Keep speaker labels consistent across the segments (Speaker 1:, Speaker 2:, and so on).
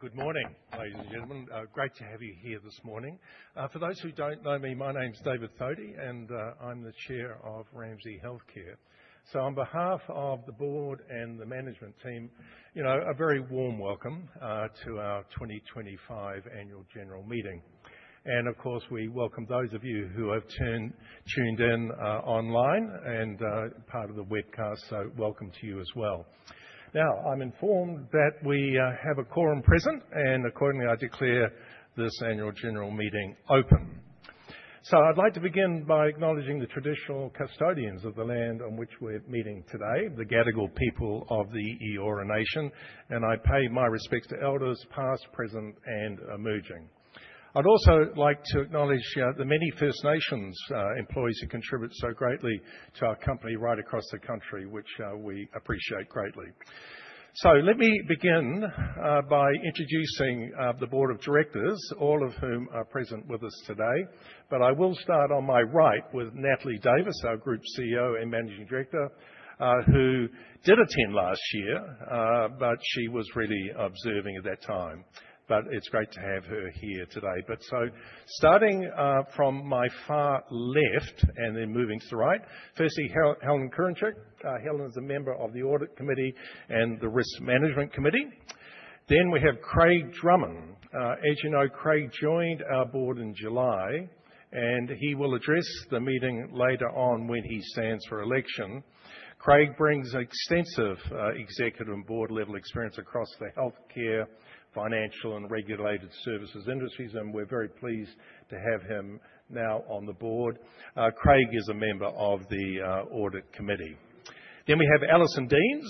Speaker 1: Good morning, ladies and gentlemen. Great to have you here this morning. For those who don't know me, my name's David Thodey, and I'm the Chair of Ramsay Health Care. On behalf of the board and the management team, you know, a very warm welcome to our 2025 annual general meeting. Of course, we welcome those of you who have tuned in online and are part of the webcast, so welcome to you as well. I am informed that we have a quorum present, and accordingly, I declare this annual general meeting open. I would like to begin by acknowledging the traditional custodians of the land on which we're meeting today, the Gadigal people of the Eora Nation, and I pay my respects to elders past, present, and emerging. I'd also like to acknowledge the many First Nations employees who contribute so greatly to our company right across the country, which we appreciate greatly. Let me begin by introducing the board of directors, all of whom are present with us today. I will start on my right with Natalie Davis, our Group CEO and Managing Director, who did attend last year, but she was really observing at that time. It's great to have her here today. Starting from my far left and then moving to the right, firstly, Helen Kurincic. Helen is a member of the Audit Committee and the Risk Management Committee. Then we have Craig Drummond. As you know, Craig joined our board in July, and he will address the meeting later on when he stands for election. Craig brings extensive executive and board-level experience across the healthcare, financial, and regulated services industries, and we're very pleased to have him now on the board. Craig is a member of the Audit Committee. Alison Deans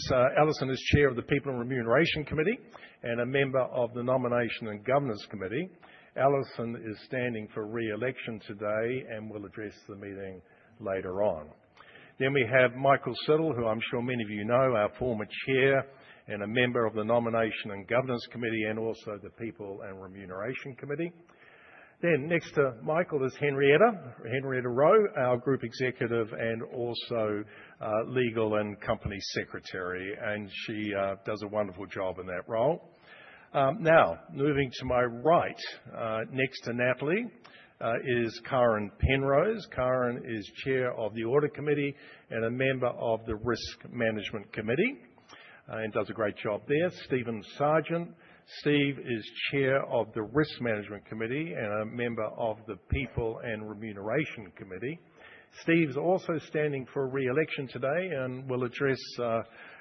Speaker 1: is Chair of the People and Remuneration Committee and a member of the Nomination and Governance Committee. Alison is standing for re-election today and will address the meeting later on. We have Michael Siddle, who I'm sure many of you know, our former chair and a member of the Nomination and Governance Committee and also the People and Remuneration Committee. Next to Michael is Henrietta Rowe, our Group Executive and also Legal and Company Secretary, and she does a wonderful job in that role. Now, moving to my right, next to Natalie is Karen Penrose. Karen is Chair of the Audit Committee and a member of the Risk Management Committee and does a great job there. Steven Sargent. Steve is Chair of the Risk Management Committee and a member of the People and Remuneration Committee. Steve's also standing for re-election today and will address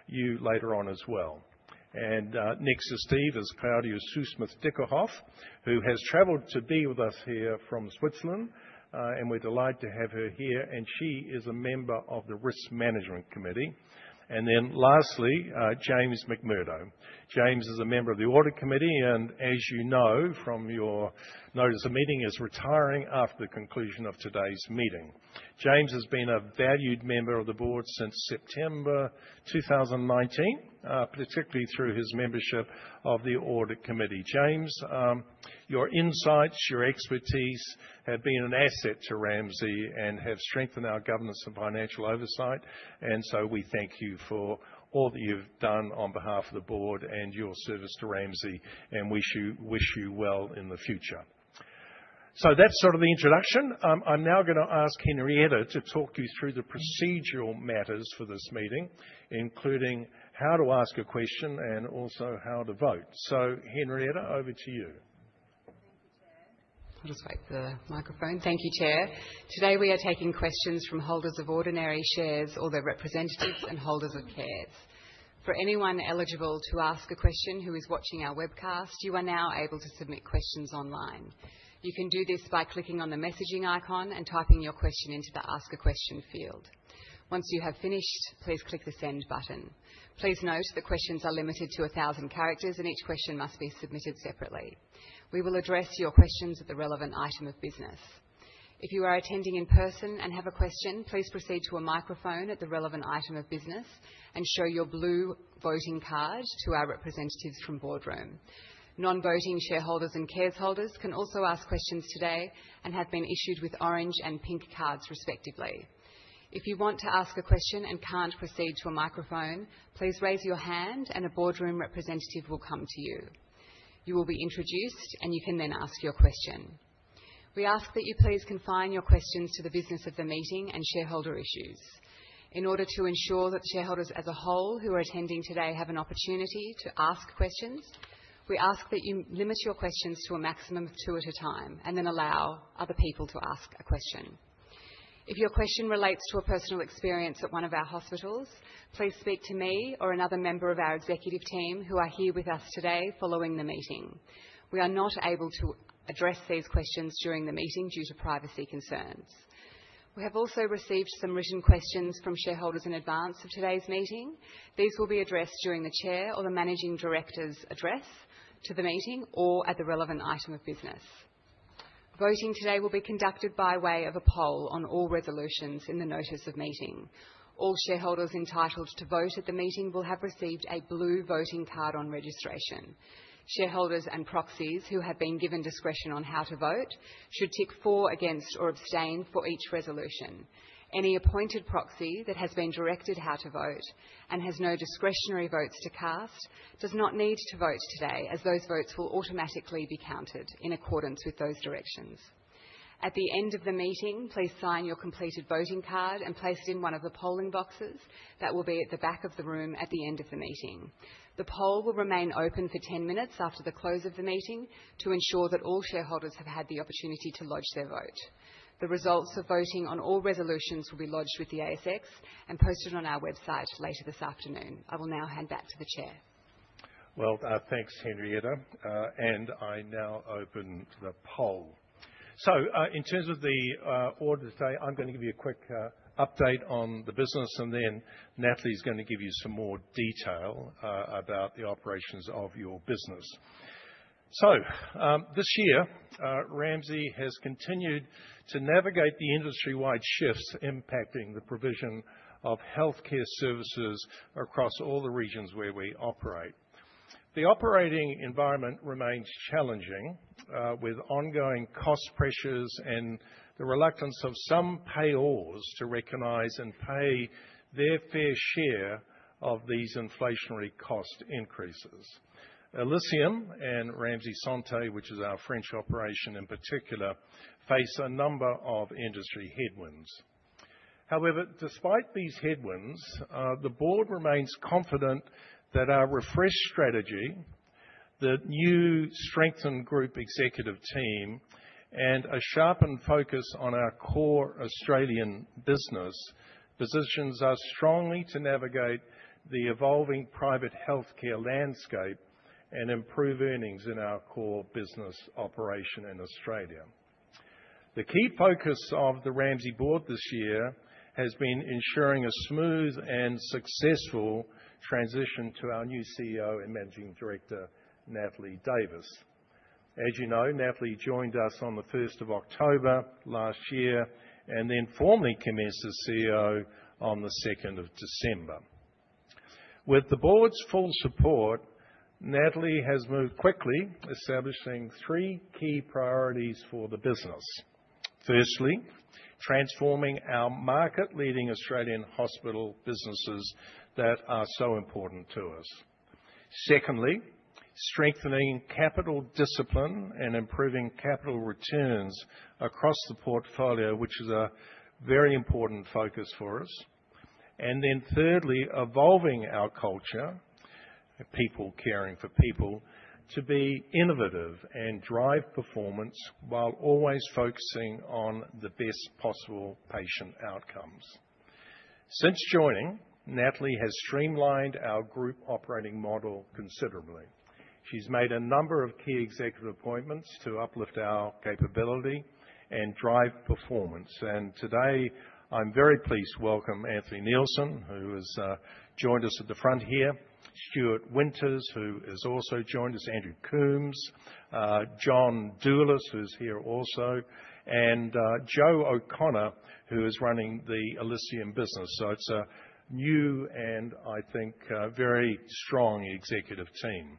Speaker 1: you later on as well. Next to Steve is Claudia Süssmuth Dyckerhoff, who has traveled to be with us here from Switzerland, and we're delighted to have her here, and she is a member of the Risk Management Committee. Lastly, James McMurdo. James is a member of the Audit Committee and, as you know from your notice of meeting, is retiring after the conclusion of today's meeting. James has been a valued member of the board since September 2019, particularly through his membership of the Audit Committee. James, your insights, your expertise have been an asset to Ramsay and have strengthened our governance and financial oversight, and we thank you for all that you've done on behalf of the board and your service to Ramsay and wish you well in the future. That is sort of the introduction. I am now going to ask Henrietta to talk you through the procedural matters for this meeting, including how to ask a question and also how to vote. Henrietta, over to you.
Speaker 2: Thank you, Chair. I'll just wait for the microphone. Thank you, Chair. Today we are taking questions from holders of ordinary shares or their representatives and holders of CARES. For anyone eligible to ask a question who is watching our webcast, you are now able to submit questions online. You can do this by clicking on the messaging icon and typing your question into the Ask a Question field. Once you have finished, please click the Send button. Please note that questions are limited to 1,000 characters and each question must be submitted separately. We will address your questions at the relevant item of business. If you are attending in person and have a question, please proceed to a microphone at the relevant item of business and show your blue voting card to our representatives from Boardroom. Non-voting shareholders and cares holders can also ask questions today and have been issued with orange and pink cards, respectively. If you want to ask a question and can't proceed to a microphone, please raise your hand and a Boardroom representative will come to you. You will be introduced and you can then ask your question. We ask that you please confine your questions to the business of the meeting and shareholder issues. In order to ensure that shareholders as a whole who are attending today have an opportunity to ask questions, we ask that you limit your questions to a maximum of two at a time and then allow other people to ask a question. If your question relates to a personal experience at one of our hospitals, please speak to me or another member of our executive team who are here with us today following the meeting. We are not able to address these questions during the meeting due to privacy concerns. We have also received some written questions from shareholders in advance of today's meeting. These will be addressed during the Chair or the Managing Director's address to the meeting or at the relevant item of business. Voting today will be conducted by way of a poll on all resolutions in the notice of meeting. All shareholders entitled to vote at the meeting will have received a blue voting card on registration. Shareholders and proxies who have been given discretion on how to vote should tick for, against, or abstain for each resolution. Any appointed proxy that has been directed how to vote and has no discretionary votes to cast does not need to vote today, as those votes will automatically be counted in accordance with those directions. At the end of the meeting, please sign your completed voting card and place it in one of the polling boxes that will be at the back of the room at the end of the meeting. The poll will remain open for 10 minutes after the close of the meeting to ensure that all shareholders have had the opportunity to lodge their vote. The results of voting on all resolutions will be lodged with the ASX and posted on our website later this afternoon. I will now hand back to the Chair.
Speaker 1: Thanks, Henrietta, and I now open the poll. In terms of the order today, I'm going to give you a quick update on the business, and then Natalie is going to give you some more detail about the operations of your business. This year, Ramsay has continued to navigate the industry-wide shifts impacting the provision of healthcare services across all the regions where we operate. The operating environment remains challenging, with ongoing cost pressures and the reluctance of some payors to recognize and pay their fair share of these inflationary cost increases. Elysium and Ramsay Santé, which is our French operation in particular, face a number of industry headwinds. However, despite these headwinds, the board remains confident that our refreshed strategy, the new strengthened Group Executive Team, and a sharpened focus on our core Australian business positions us strongly to navigate the evolving private healthcare landscape and improve earnings in our core business operation in Australia. The key focus of the Ramsay board this year has been ensuring a smooth and successful transition to our new CEO and Managing Director, Natalie Davis. As you know, Natalie joined us on the 1st of October last year and then formally commenced as CEO on the 2nd of December. With the board's full support, Natalie has moved quickly, establishing three key priorities for the business. Firstly, transforming our market-leading Australian hospital businesses that are so important to us. Secondly, strengthening capital discipline and improving capital returns across the portfolio, which is a very important focus for us. Thirdly, evolving our culture, people caring for people, to be innovative and drive performance while always focusing on the best possible patient outcomes. Since joining, Natalie has streamlined our group operating model considerably. She has made a number of key executive appointments to uplift our capability and drive performance. Today, I am very pleased to welcome Anthony Neilson, who has joined us at the front here, Stuart Winters, who has also joined us, Andrew Coombs, John Doulis, who is here also, and Joe O'Connor, who is running the Elysium business. It is a new and, I think, very strong executive team.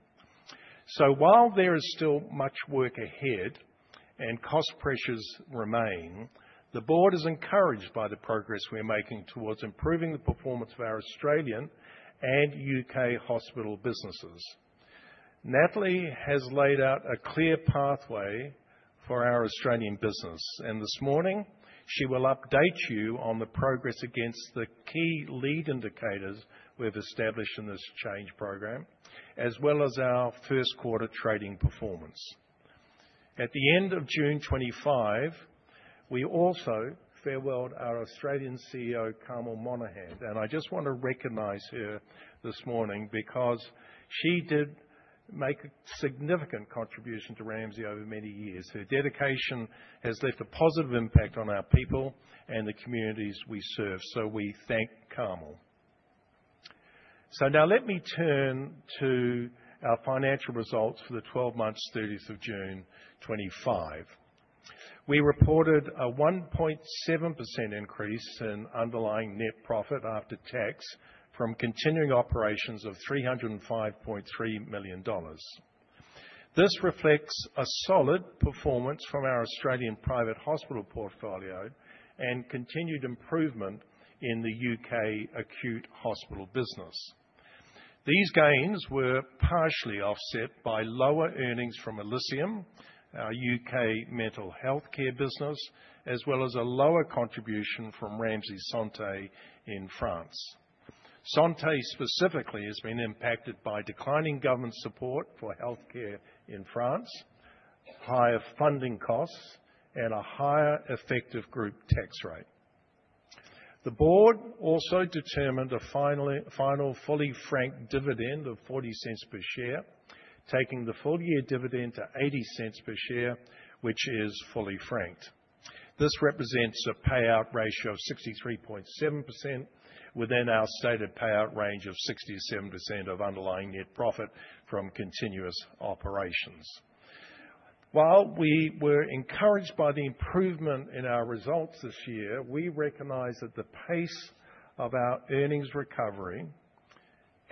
Speaker 1: While there is still much work ahead and cost pressures remain, the board is encouraged by the progress we are making towards improving the performance of our Australian and U.K. hospital businesses. Natalie has laid out a clear pathway for our Australian business, and this morning she will update you on the progress against the key lead indicators we've established in this change program, as well as our first quarter trading performance. At the end of June 2025, we also farewelled our Australian CEO, Carmel Monaghan, and I just want to recognize her this morning because she did make a significant contribution to Ramsay over many years. Her dedication has left a positive impact on our people and the communities we serve, so we thank Carmel. Now let me turn to our financial results for the 12 months to 30 June 2025. We reported a 1.7% increase in underlying net profit after tax from continuing operations of 305.3 million dollars. This reflects a solid performance from our Australian private hospital portfolio and continued improvement in the U.K. acute hospital business. These gains were partially offset by lower earnings from Elysium, our U.K. mental healthcare business, as well as a lower contribution from Ramsay Santé in France. Santé specifically has been impacted by declining government support for healthcare in France, higher funding costs, and a higher effective group tax rate. The board also determined a final fully franked dividend of 0.40 per share, taking the full year dividend to 0.80 per share, which is fully franked. This represents a payout ratio of 63.7% within our stated payout range of 67% of underlying net profit from continuous operations. While we were encouraged by the improvement in our results this year, we recognize that the pace of our earnings recovery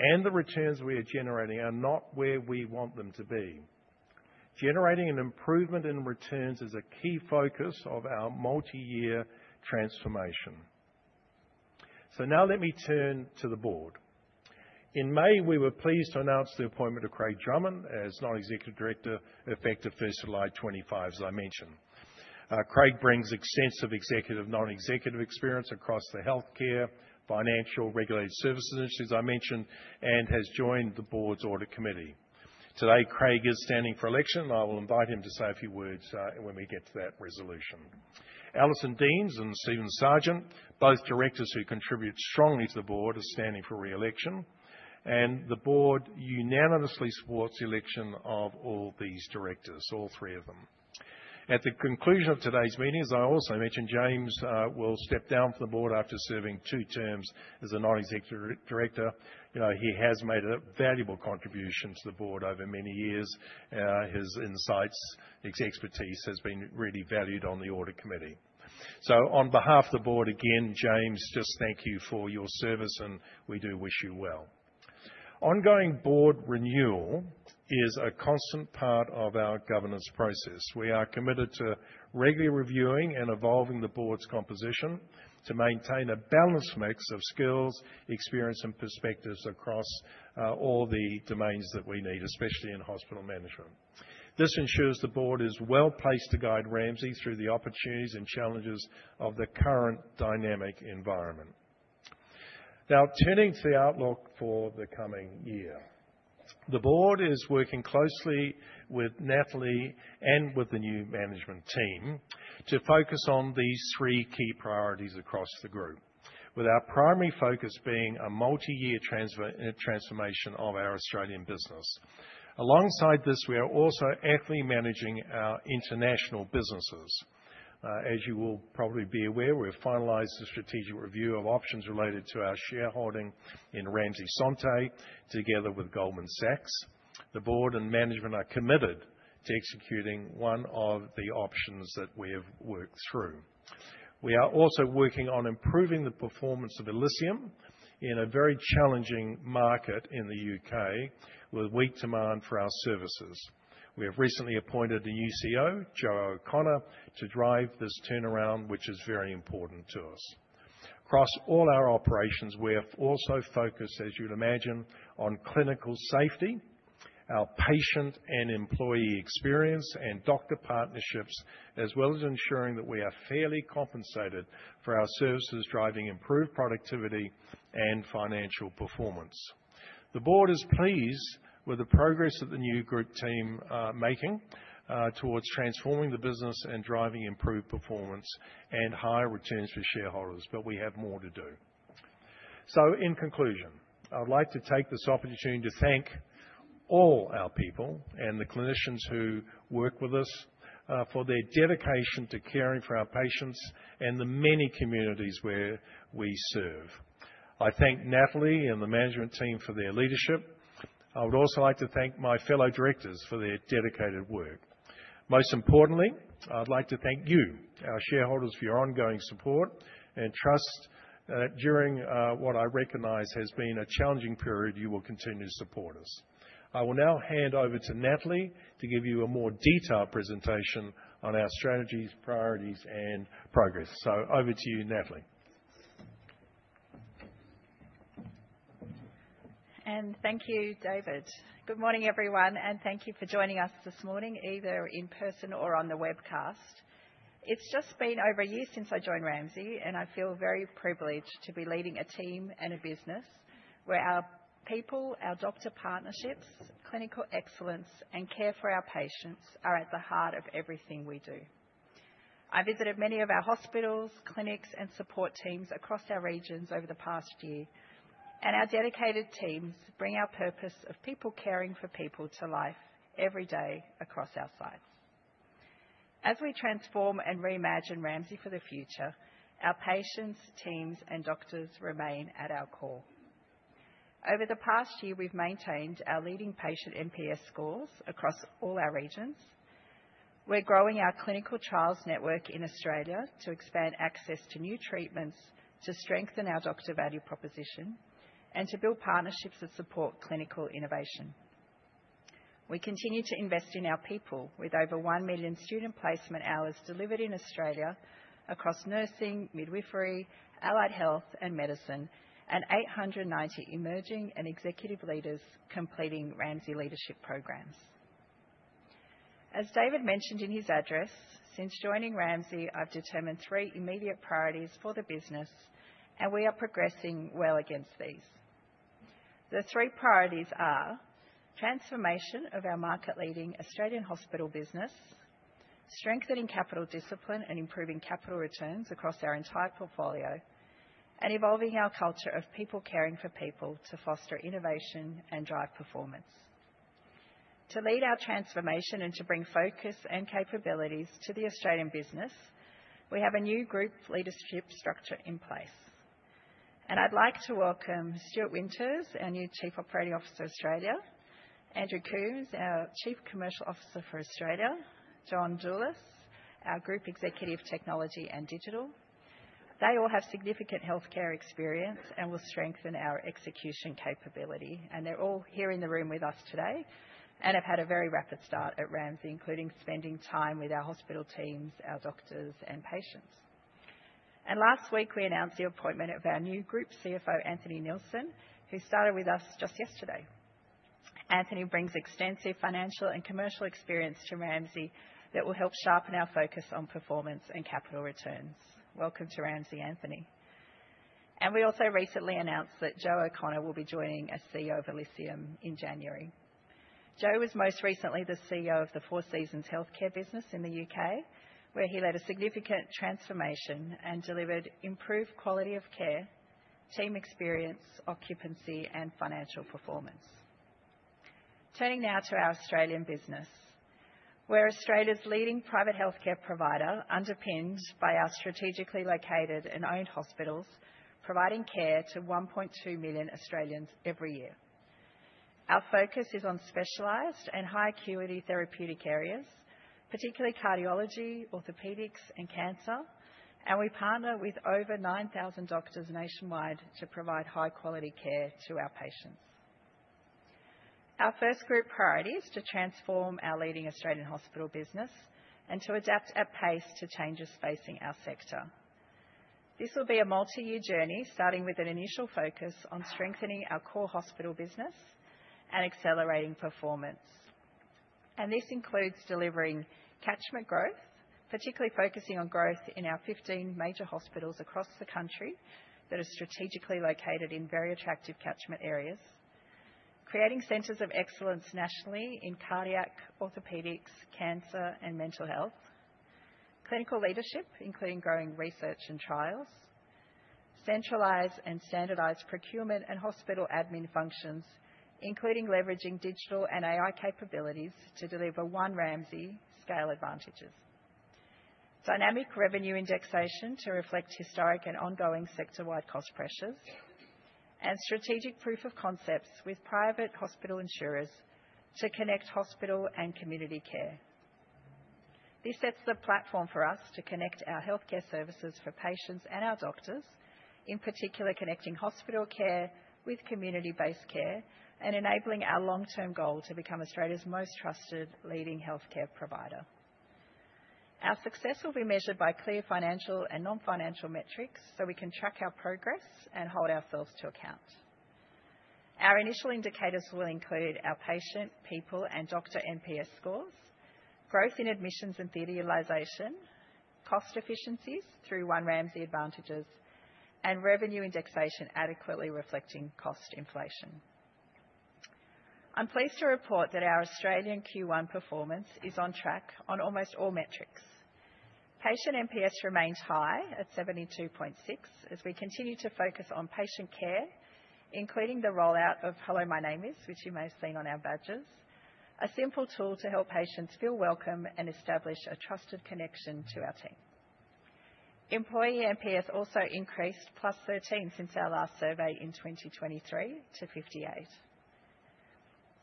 Speaker 1: and the returns we are generating are not where we want them to be. Generating an improvement in returns is a key focus of our multi-year transformation. Now let me turn to the board. In May, we were pleased to announce the appointment of Craig Drummond as Nonexecutive Director effective 1st of July 2025, as I mentioned. Craig brings extensive executive and non-executive experience across the healthcare, financial, regulated services industries I mentioned, and has joined the board's Audit Committee. Today, Craig is standing for election, and I will invite him to say a few words when we get to that resolution. Alison Deans and Steven Sargent, both directors who contribute strongly to the board, are standing for re-election, and the board unanimously supports the election of all these directors, all three of them. At the conclusion of today's meeting, as I also mentioned, James will step down from the board after serving two terms as a Nonexecutive Director. He has made a valuable contribution to the board over many years. His insights, his expertise has been really valued on the Audit Committee. On behalf of the board, again, James, just thank you for your service, and we do wish you well. Ongoing board renewal is a constant part of our governance process. We are committed to regularly reviewing and evolving the board's composition to maintain a balanced mix of skills, experience, and perspectives across all the domains that we need, especially in hospital management. This ensures the board is well placed to guide Ramsay through the opportunities and challenges of the current dynamic environment. Now, turning to the outlook for the coming year, the board is working closely with Natalie and with the new management team to focus on these three key priorities across the group, with our primary focus being a multi-year transformation of our Australian business. Alongside this, we are also actively managing our international businesses. As you will probably be aware, we have finalized the strategic review of options related to our shareholding in Ramsay Santé together with Goldman Sachs. The board and management are committed to executing one of the options that we have worked through. We are also working on improving the performance of Elysium in a very challenging market in the U.K. with weak demand for our services. We have recently appointed a new CEO, Joe O'Connor, to drive this turnaround, which is very important to us. Across all our operations, we have also focused, as you'd imagine, on clinical safety, our patient and employee experience, and doctor partnerships, as well as ensuring that we are fairly compensated for our services, driving improved productivity and financial performance. The board is pleased with the progress that the new group team is making towards transforming the business and driving improved performance and higher returns for shareholders. We have more to do. In conclusion, I'd like to take this opportunity to thank all our people and the clinicians who work with us for their dedication to caring for our patients and the many communities where we serve. I thank Natalie and the management team for their leadership. I would also like to thank my fellow directors for their dedicated work. Most importantly, I'd like to thank you, our shareholders, for your ongoing support and trust that during what I recognize has been a challenging period, you will continue to support us. I will now hand over to Natalie to give you a more detailed presentation on our strategies, priorities, and progress. Over to you, Natalie.
Speaker 3: Thank you, David. Good morning, everyone, and thank you for joining us this morning, either in person or on the webcast. It has just been over a year since I joined Ramsay, and I feel very privileged to be leading a team and a business where our people, our doctor partnerships, clinical excellence, and care for our patients are at the heart of everything we do. I visited many of our hospitals, clinics, and support teams across our regions over the past year, and our dedicated teams bring our purpose of people caring for people to life every day across our sites. As we transform and reimagine Ramsay for the future, our patients, teams, and doctors remain at our core. Over the past year, we have maintained our leading patient NPS scores across all our regions. We're growing our clinical trials network in Australia to expand access to new treatments, to strengthen our doctor value proposition, and to build partnerships that support clinical innovation. We continue to invest in our people with over 1 million student placement hours delivered in Australia across nursing, midwifery, allied health, and medicine, and 890 emerging and executive leaders completing Ramsay leadership programs. As David mentioned in his address, since joining Ramsay, I've determined three immediate priorities for the business, and we are progressing well against these. The three priorities are transformation of our market-leading Australian hospital business, strengthening capital discipline and improving capital returns across our entire portfolio, and evolving our culture of people caring for people to foster innovation and drive performance. To lead our transformation and to bring focus and capabilities to the Australian business, we have a new group leadership structure in place. I would like to welcome Stuart Winters, our new Chief Operating Officer of Australia, Andrew Coombs, our Chief Commercial Officer for Australia, and John Doulis, our Group Executive Technology and Digital. They all have significant healthcare experience and will strengthen our execution capability. They are all here in the room with us today and have had a very rapid start at Ramsay, including spending time with our hospital teams, our doctors, and patients. Last week, we announced the appointment of our new Group CFO, Anthony Neilson, who started with us just yesterday. Anthony brings extensive financial and commercial experience to Ramsay that will help sharpen our focus on performance and capital returns. Welcome to Ramsay, Anthony. We also recently announced that Joe O'Connor will be joining as CEO of Elysium in January. Joe was most recently the CEO of the Four Seasons Healthcare business in the U.K., where he led a significant transformation and delivered improved quality of care, team experience, occupancy, and financial performance. Turning now to our Australian business, we are Australia's leading private healthcare provider, underpinned by our strategically located and owned hospitals, providing care to 1.2 million Australians every year. Our focus is on specialized and high-acuity therapeutic areas, particularly cardiology, orthopedics, and cancer, and we partner with over 9,000 doctors nationwide to provide high-quality care to our patients. Our first group priority is to transform our leading Australian hospital business and to adapt at pace to changes facing our sector. This will be a multi-year journey, starting with an initial focus on strengthening our core hospital business and accelerating performance. This includes delivering catchment growth, particularly focusing on growth in our 15 major hospitals across the country that are strategically located in very attractive catchment areas, creating centers of excellence nationally in cardiac, orthopedics, cancer, and mental health, clinical leadership, including growing research and trials, centralized and standardized procurement and hospital admin functions, including leveraging digital and AI capabilities to deliver one Ramsay scale advantages, dynamic revenue indexation to reflect historic and ongoing sector-wide cost pressures, and strategic proof of concepts with private hospital insurers to connect hospital and community care. This sets the platform for us to connect our healthcare services for patients and our doctors, in particular connecting hospital care with community-based care and enabling our long-term goal to become Australia's most trusted leading healthcare provider. Our success will be measured by clear financial and non-financial metrics so we can track our progress and hold ourselves to account. Our initial indicators will include our patient, people, and doctor NPS scores, growth in admissions and the utilization, cost efficiencies through One Ramsay advantages, and revenue indexation adequately reflecting cost inflation. I'm pleased to report that our Australian Q1 performance is on track on almost all metrics. Patient NPS remains high at 72.6 as we continue to focus on patient care, including the rollout of Hello My Name Is, which you may have seen on our badges, a simple tool to help patients feel welcome and establish a trusted connection to our team. Employee NPS also increased plus 13 since our last survey in 2023 to 58.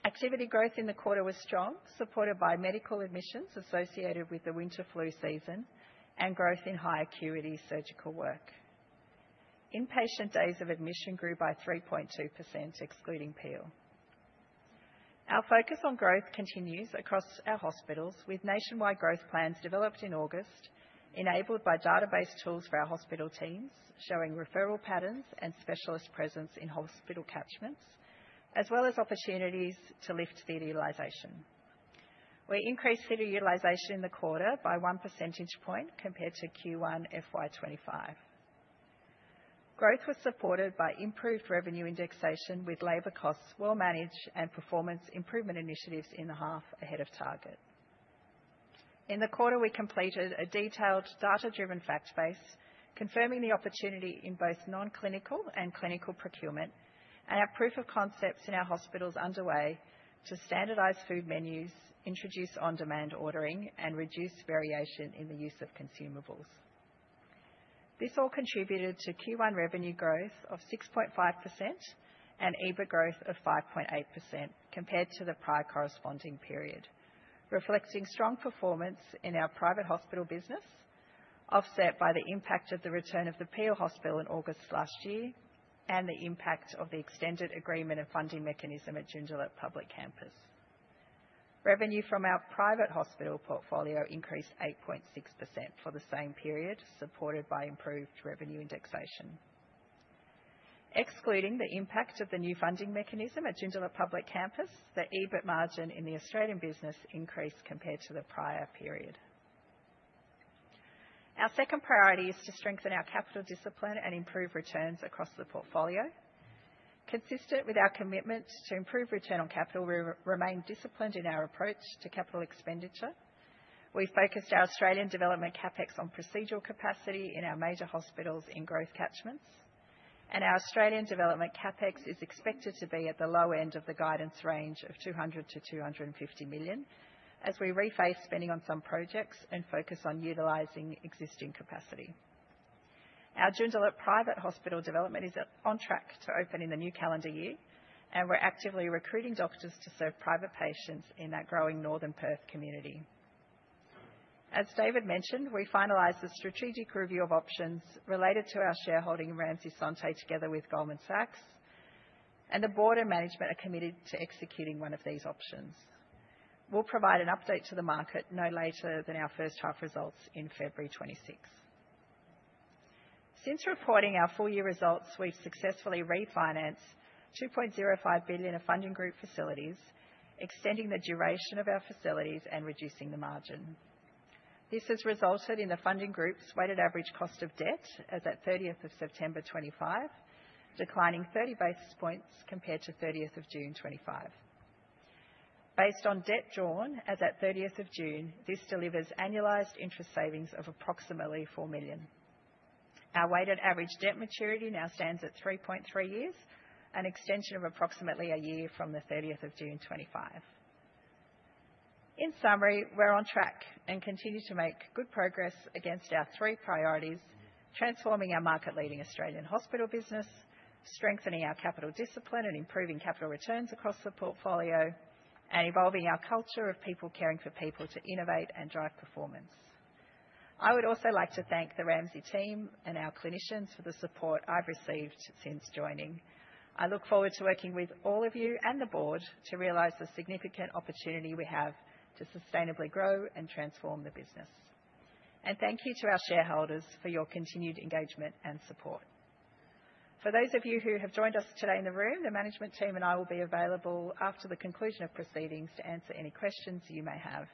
Speaker 3: Activity growth in the quarter was strong, supported by medical admissions associated with the winter flu season and growth in high-acuity surgical work. Inpatient days of admission grew by 3.2%, excluding Peel. Our focus on growth continues across our hospitals, with nationwide growth plans developed in August, enabled by database tools for our hospital teams, showing referral patterns and specialist presence in hospital catchments, as well as opportunities to lift the utilization. We increased the utilization in the quarter by one percentage point compared to Q1 FY 2025. Growth was supported by improved revenue indexation with labor costs well managed and performance improvement initiatives in the half ahead of target. In the quarter, we completed a detailed data-driven fact base, confirming the opportunity in both non-clinical and clinical procurement, and our proof of concepts in our hospitals underway to standardize food menus, introduce on-demand ordering, and reduce variation in the use of consumables. This all contributed to Q1 revenue growth of 6.5% and EBIT growth of 5.8% compared to the prior corresponding period, reflecting strong performance in our private hospital business, offset by the impact of the return of the Peel hospital in August last year and the impact of the extended agreement and funding mechanism at Joondalup Public Campus. Revenue from our private hospital portfolio increased 8.6% for the same period, supported by improved revenue indexation. Excluding the impact of the new funding mechanism at Joondalup Public Campus, the EBIT margin in the Australian business increased compared to the prior period. Our second priority is to strengthen our capital discipline and improve returns across the portfolio. Consistent with our commitment to improve return on capital, we remain disciplined in our approach to capital expenditure. We focused our Australian Development CapEx on procedural capacity in our major hospitals in growth catchments, and our Australian Development CapEx is expected to be at the low end of the guidance range of 200 million-250 million as we reface spending on some projects and focus on utilizing existing capacity. Our Joondalup private hospital development is on track to open in the new calendar year, and we're actively recruiting doctors to serve private patients in our growing Northern Perth community. As David mentioned, we finalized the strategic review of options related to our shareholding in Ramsay Santé together with Goldman Sachs, and the board and management are committed to executing one of these options. We'll provide an update to the market no later than our first half results in February 2026. Since reporting our full year results, we've successfully refinanced 2.05 billion of funding group facilities, extending the duration of our facilities and reducing the margin. This has resulted in the funding group's weighted average cost of debt as at 30th of September 2025, declining 30 basis points compared to 30th of June 2025. Based on debt drawn as at 30th of June, this delivers annualized interest savings of approximately 4 million. Our weighted average debt maturity now stands at 3.3 years, an extension of approximately a year from the 30th of June 2025. In summary, we're on track and continue to make good progress against our three priorities: transforming our market-leading Australian hospital business, strengthening our capital discipline and improving capital returns across the portfolio, and evolving our culture of people caring for people to innovate and drive performance. I would also like to thank the Ramsay team and our clinicians for the support I've received since joining. I look forward to working with all of you and the board to realize the significant opportunity we have to sustainably grow and transform the business. Thank you to our shareholders for your continued engagement and support. For those of you who have joined us today in the room, the management team and I will be available after the conclusion of proceedings to answer any questions you may have.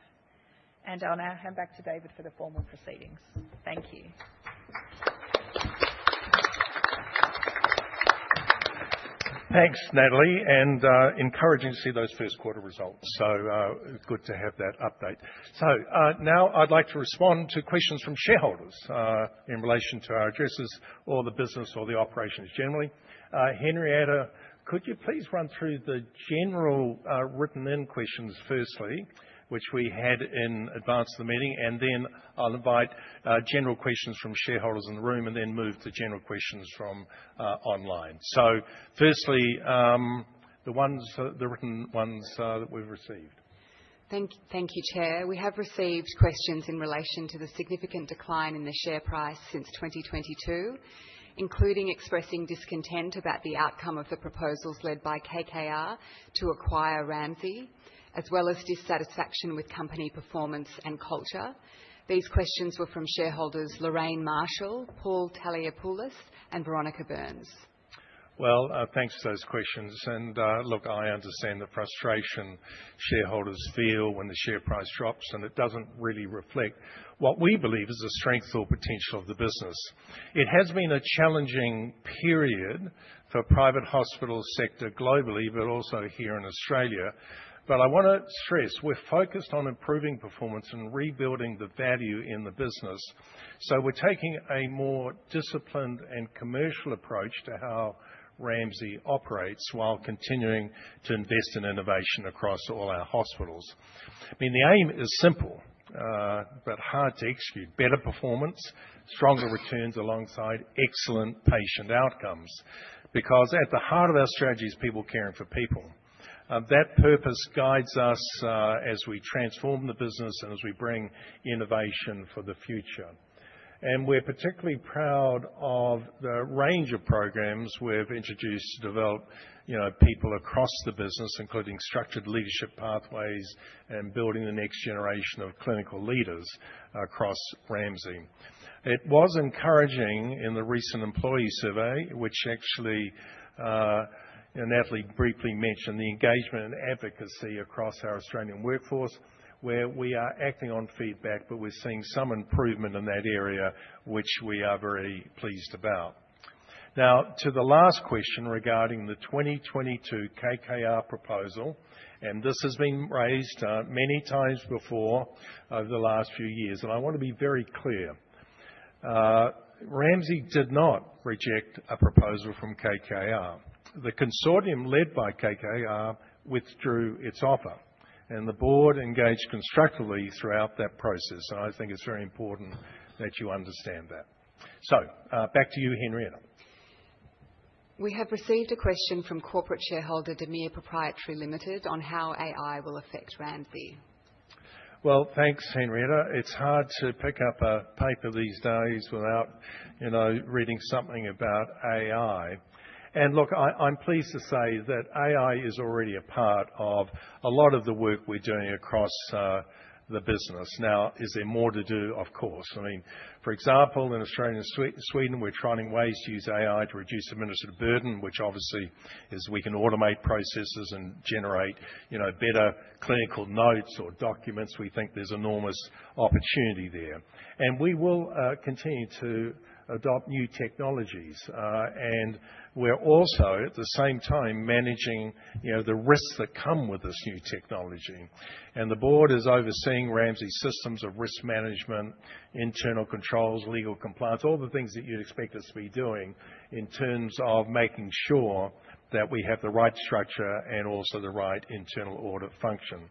Speaker 3: I will now hand back to David for the formal proceedings. Thank you.
Speaker 1: Thanks, Natalie, and encouraging to see those first quarter results. Good to have that update. Now I'd like to respond to questions from shareholders in relation to our addresses or the business or the operations generally. Henrietta, could you please run through the general written-in questions firstly, which we had in advance of the meeting, and then I'll invite general questions from shareholders in the room and then move to general questions from online. Firstly, the written ones that we've received.
Speaker 2: Thank you, Chair. We have received questions in relation to the significant decline in the share price since 2022, including expressing discontent about the outcome of the proposals led by KKR to acquire Ramsay, as well as dissatisfaction with company performance and culture. These questions were from shareholders Lorraine Marshall, Paul Taliopoulos, and Veronica Burns.
Speaker 1: Thanks for those questions. I understand the frustration shareholders feel when the share price drops, and it does not really reflect what we believe is the strength or potential of the business. It has been a challenging period for the private hospital sector globally, but also here in Australia. I want to stress we are focused on improving performance and rebuilding the value in the business. We are taking a more disciplined and commercial approach to how Ramsay operates while continuing to invest in innovation across all our hospitals. I mean, the aim is simple but hard to execute: better performance, stronger returns alongside excellent patient outcomes, because at the heart of our strategy is people caring for people. That purpose guides us as we transform the business and as we bring innovation for the future. We are particularly proud of the range of programs we have introduced to develop people across the business, including structured leadership pathways and building the next generation of clinical leaders across Ramsay. It was encouraging in the recent employee survey, which actually Natalie briefly mentioned, the engagement and advocacy across our Australian workforce, where we are acting on feedback, but we are seeing some improvement in that area, which we are very pleased about. Now, to the last question regarding the 2022 KKR proposal, and this has been raised many times before over the last few years, and I want to be very clear. Ramsay did not reject a proposal from KKR. The consortium led by KKR withdrew its offer, and the board engaged constructively throughout that process. I think it is very important that you understand that. Back to you, Henrietta.
Speaker 2: We have received a question from corporate shareholder Damir Proprietary Limited on how AI will affect Ramsay.
Speaker 1: Thanks, Henrietta. It's hard to pick up a paper these days without reading something about AI. Look, I'm pleased to say that AI is already a part of a lot of the work we're doing across the business. Now, is there more to do? Of course. I mean, for example, in Australia and Sweden, we're trying ways to use AI to reduce administrative burden, which obviously is we can automate processes and generate better clinical notes or documents. We think there's enormous opportunity there. We will continue to adopt new technologies. We're also at the same time managing the risks that come with this new technology. The board is overseeing Ramsay's systems of risk management, internal controls, legal compliance, all the things that you'd expect us to be doing in terms of making sure that we have the right structure and also the right internal audit function.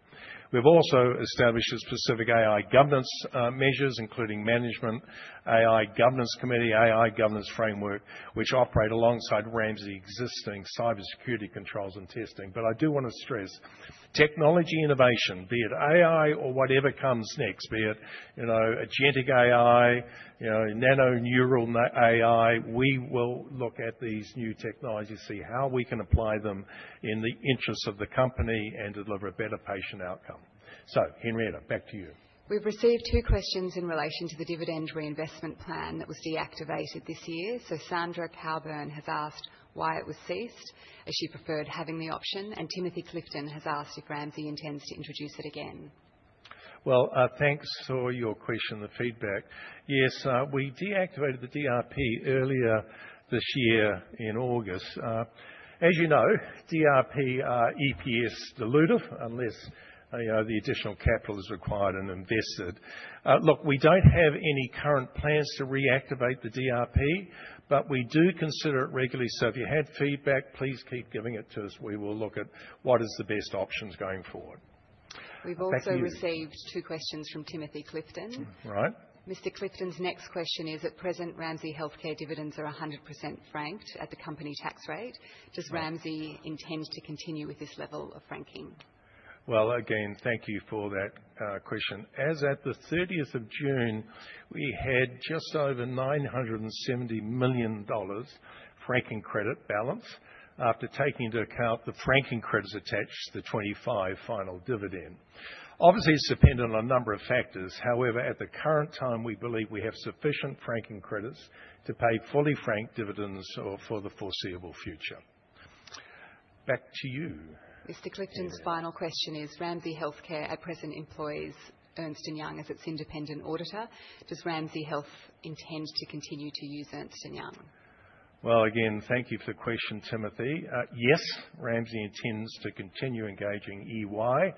Speaker 1: We have also established specific AI governance measures, including Management AI Governance Committee, AI Governance Framework, which operate alongside Ramsay's existing cybersecurity controls and testing. I do want to stress technology innovation, be it AI or whatever comes next, be it Agentic AI, Nano Neural AI, we will look at these new technologies, see how we can apply them in the interests of the company and deliver a better patient outcome. Henrietta, back to you.
Speaker 2: We've received two questions in relation to the dividend reinvestment plan that was deactivated this year. Sandra Cowburn has asked why it was ceased as she preferred having the option, and Timothy Clifton has asked if Ramsay intends to introduce it again.
Speaker 1: Thanks for your question, the feedback. Yes, we deactivated the DRP earlier this year in August. As you know, DRP EPS is dilutive unless the additional capital is required and invested. Look, we do not have any current plans to reactivate the DRP, but we do consider it regularly. If you have feedback, please keep giving it to us. We will look at what is the best options going forward.
Speaker 2: We've also received two questions from Timothy Clifton.
Speaker 1: Right.
Speaker 2: Mr. Clifton's next question is, at present, Ramsay Health Care dividends are 100% franked at the company tax rate. Does Ramsay intend to continue with this level of franking?
Speaker 1: Thank you for that question. As at the 30th of June, we had just over 970 million dollars franking credit balance after taking into account the franking credits attached to the 2025 final dividend. Obviously, it is dependent on a number of factors. However, at the current time, we believe we have sufficient franking credits to pay fully franked dividends for the foreseeable future. Back to you.
Speaker 2: Mr. Clifton's final question is, Ramsay Health Care at present employs Ernst & Young as its independent auditor. Does Ramsay Health Care intend to continue to use Ernst & Young?
Speaker 1: Thank you for the question, Timothy. Yes, Ramsay intends to continue engaging EY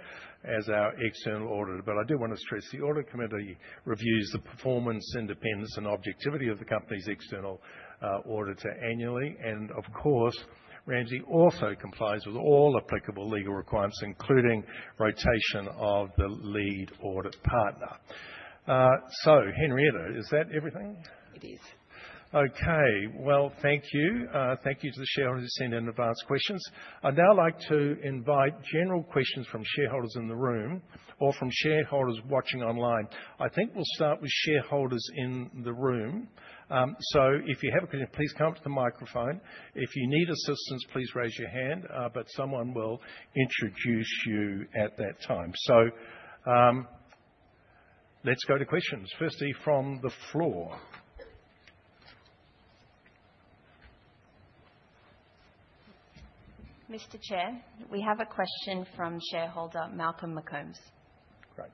Speaker 1: as our external auditor, but I do want to stress the Audit Committee reviews the performance, independence, and objectivity of the company's external auditor annually. Ramsay also complies with all applicable legal requirements, including rotation of the lead audit partner. Henrietta, is that everything?
Speaker 2: It is.
Speaker 1: Okay. Thank you. Thank you to the shareholders who sent in advance questions. I'd now like to invite general questions from shareholders in the room or from shareholders watching online. I think we'll start with shareholders in the room. If you have a question, please come up to the microphone. If you need assistance, please raise your hand, but someone will introduce you at that time. Let's go to questions. Firstly, from the floor.
Speaker 2: Mr. Chair, we have a question from shareholder Malcolm McCombs.
Speaker 4: Great.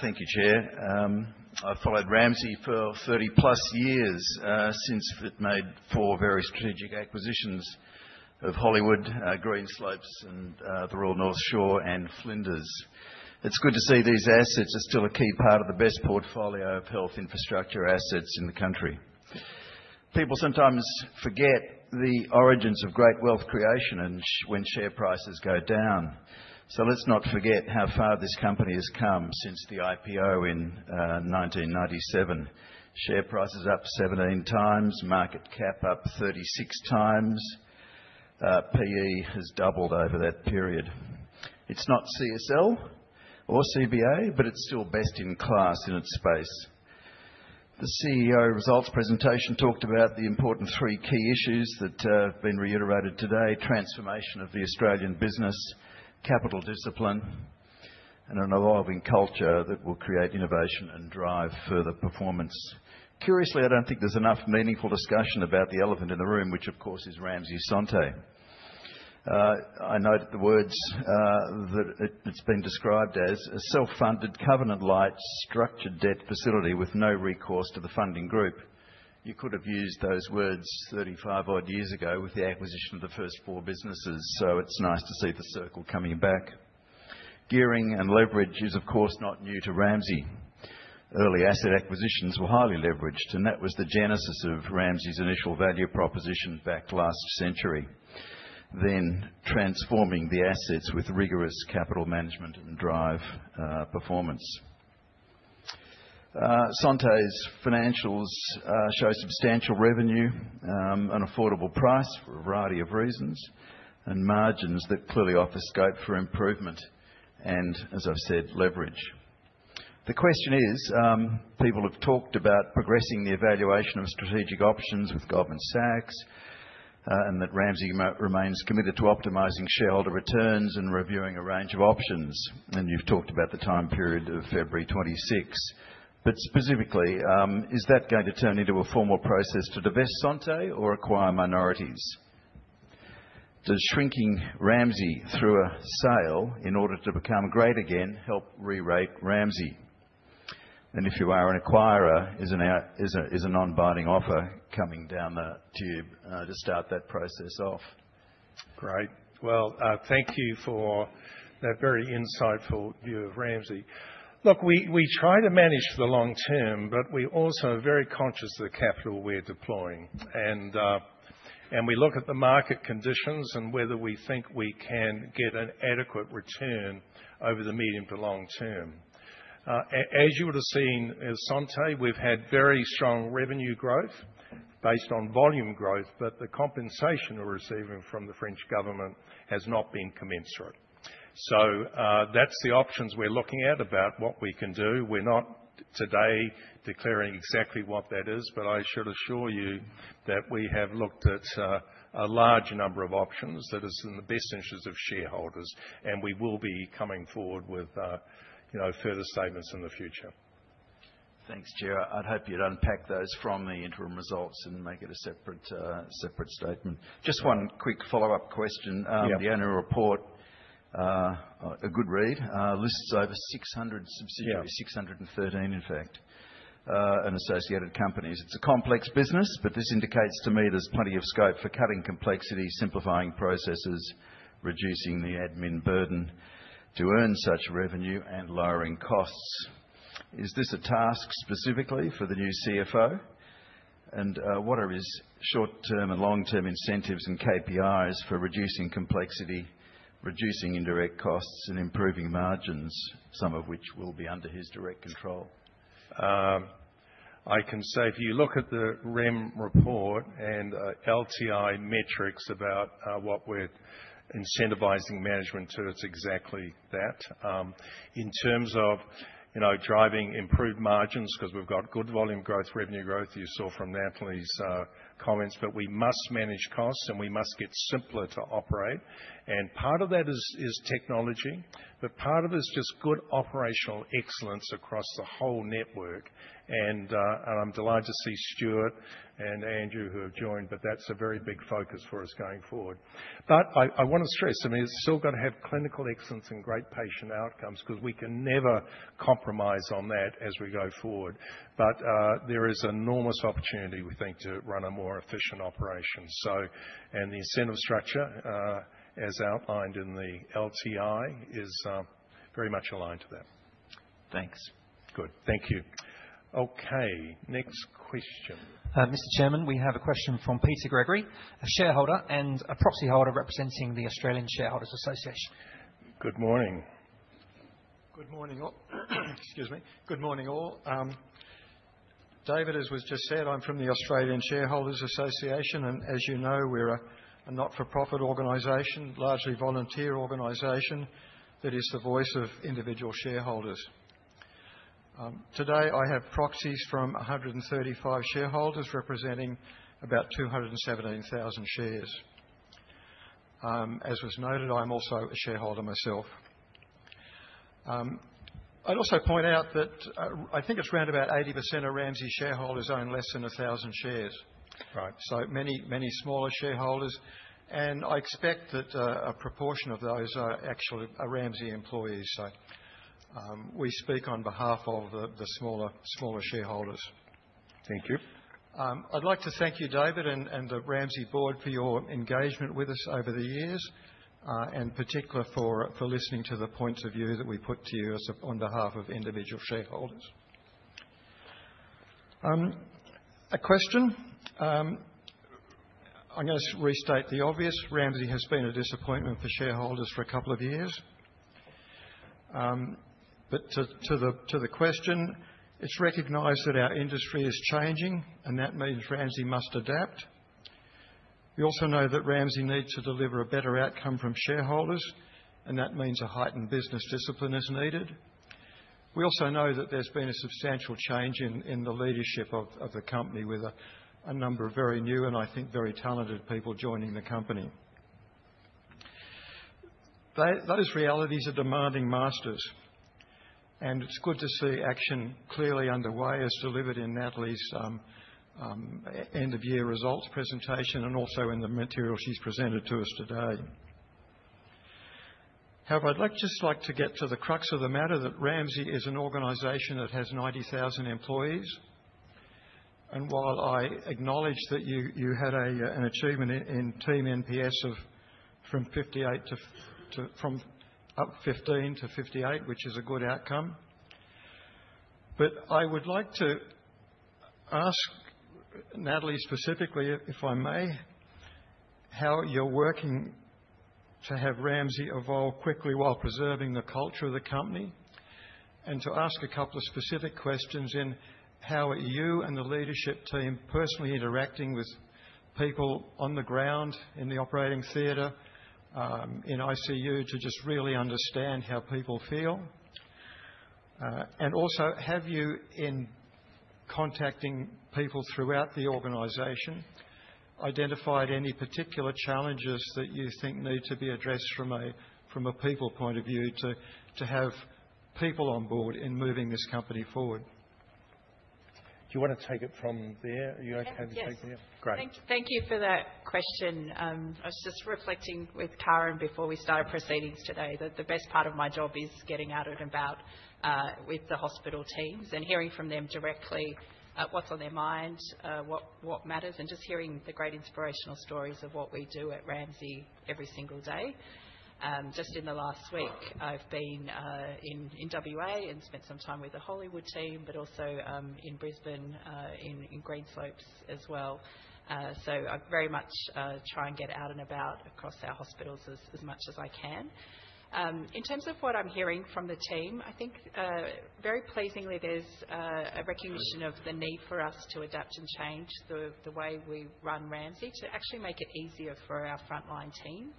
Speaker 4: Thank you, Chair. I've followed Ramsay for 30 plus years since it made four very strategic acquisitions of Hollywood, Green Slopes, and the Royal North Shore and Flinders. It's good to see these assets are still a key part of the best portfolio of health infrastructure assets in the country. People sometimes forget the origins of great wealth creation when share prices go down. Let's not forget how far this company has come since the IPO in 1997. Share price is up 17 times, market cap up 36 times. PE has doubled over that period. It's not CSL or CBA, but it's still best in class in its space. The CEO results presentation talked about the important three key issues that have been reiterated today: transformation of the Australian business, capital discipline, and an evolving culture that will create innovation and drive further performance. Curiously, I don't think there's enough meaningful discussion about the elephant in the room, which of course is Ramsay Santé. I noted the words that it's been described as a self-funded covenant-like structured debt facility with no recourse to the funding group. You could have used those words 35-odd years ago with the acquisition of the first four businesses, so it's nice to see the circle coming back. Gearing and leverage is of course not new to Ramsay. Early asset acquisitions were highly leveraged, and that was the genesis of Ramsay's initial value proposition back last century, then transforming the assets with rigorous capital management and drive performance. Santé's financials show substantial revenue, an affordable price for a variety of reasons, and margins that clearly offer scope for improvement and, as I've said, leverage. The question is, people have talked about progressing the evaluation of strategic options with Goldman Sachs and that Ramsay remains committed to optimizing shareholder returns and reviewing a range of options. You have talked about the time period of February 26. Specifically, is that going to turn into a formal process to divest Santé or acquire minorities? Does shrinking Ramsay through a sale in order to become great again help re-rate Ramsay? If you are an acquirer, is an unbinding offer coming down the tube to start that process off?
Speaker 1: Great. Thank you for that very insightful view of Ramsay. Look, we try to manage for the long term, but we also are very conscious of the capital we're deploying. We look at the market conditions and whether we think we can get an adequate return over the medium to long term. As you would have seen at Santé, we've had very strong revenue growth based on volume growth, but the compensation we're receiving from the French government has not been commensurate. That is the options we're looking at about what we can do. We're not today declaring exactly what that is, but I should assure you that we have looked at a large number of options that are in the best interests of shareholders, and we will be coming forward with further statements in the future.
Speaker 4: Thanks, Chair. I'd hope you'd unpack those from the interim results and make it a separate statement. Just one quick follow-up question. The annual report, a good read, lists over 600 subsidiaries, 613 in fact, and associated companies. It's a complex business, but this indicates to me there's plenty of scope for cutting complexity, simplifying processes, reducing the admin burden to earn such revenue, and lowering costs. Is this a task specifically for the new CFO? What are his short-term and long-term incentives and KPIs for reducing complexity, reducing indirect costs, and improving margins, some of which will be under his direct control?
Speaker 1: I can say if you look at the REM report and LTI metrics about what we're incentivizing management to, it's exactly that. In terms of driving improved margins, because we've got good volume growth, revenue growth, you saw from Natalie's comments, but we must manage costs and we must get simpler to operate. Part of that is technology, but part of it is just good operational excellence across the whole network. I am delighted to see Stuart and Andrew who have joined, but that's a very big focus for us going forward. I want to stress, I mean, it's still got to have clinical excellence and great patient outcomes because we can never compromise on that as we go forward. There is enormous opportunity, we think, to run a more efficient operation. The incentive structure, as outlined in the LTI, is very much aligned to that.
Speaker 4: Thanks.
Speaker 1: Good. Thank you. Okay. Next question.
Speaker 2: Mr. Chairman, we have a question from Peter Gregory, a shareholder and a proxy holder representing the Australian Shareholders Association.
Speaker 1: Good morning.
Speaker 5: Good morning all. Excuse me. Good morning all. David, as was just said, I'm from the Australian Shareholders Association. As you know, we're a not-for-profit organization, largely volunteer organization that is the voice of individual shareholders. Today, I have proxies from 135 shareholders representing about 217,000 shares. As was noted, I'm also a shareholder myself. I'd also point out that I think it's around about 80% of Ramsay shareholders own less than 1,000 shares. Many smaller shareholders. I expect that a proportion of those are actually Ramsay employees. We speak on behalf of the smaller shareholders.
Speaker 1: Thank you. I'd like to thank you, David, and the Ramsay board for your engagement with us over the years, and particularly for listening to the points of view that we put to you on behalf of individual shareholders. A question. I'm going to restate the obvious. Ramsay has been a disappointment for shareholders for a couple of years. To the question, it's recognized that our industry is changing, and that means Ramsay must adapt. We also know that Ramsay needs to deliver a better outcome from shareholders, and that means a heightened business discipline is needed. We also know that there's been a substantial change in the leadership of the company, with a number of very new and I think very talented people joining the company. Those realities are demanding masters. It is good to see action clearly underway as delivered in Natalie's end-of-year results presentation and also in the material she has presented to us today. However, I would just like to get to the crux of the matter that Ramsay is an organization that has 90,000 employees. While I acknowledge that you had an achievement in team NPS from 15 to 58, which is a good outcome, I would like to ask Natalie specifically, if I may, how you are working to have Ramsay evolve quickly while preserving the culture of the company. I would also like to ask a couple of specific questions in how you and the leadership team are personally interacting with people on the ground in the operating theater and in ICU to really understand how people feel. Have you, in contacting people throughout the organization, identified any particular challenges that you think need to be addressed from a people point of view to have people on board in moving this company forward? Do you want to take it from there? Are you okay to take it there?
Speaker 3: Yes.
Speaker 1: Great.
Speaker 3: Thank you for that question. I was just reflecting with Karen before we started proceedings today that the best part of my job is getting out and about with the hospital teams and hearing from them directly what's on their mind, what matters, and just hearing the great inspirational stories of what we do at Ramsay every single day. Just in the last week, I've been in WA and spent some time with the Hollywood team, but also in Brisbane in Green Slopes as well. I very much try and get out and about across our hospitals as much as I can. In terms of what I'm hearing from the team, I think very pleasingly there's a recognition of the need for us to adapt and change the way we run Ramsay to actually make it easier for our frontline team.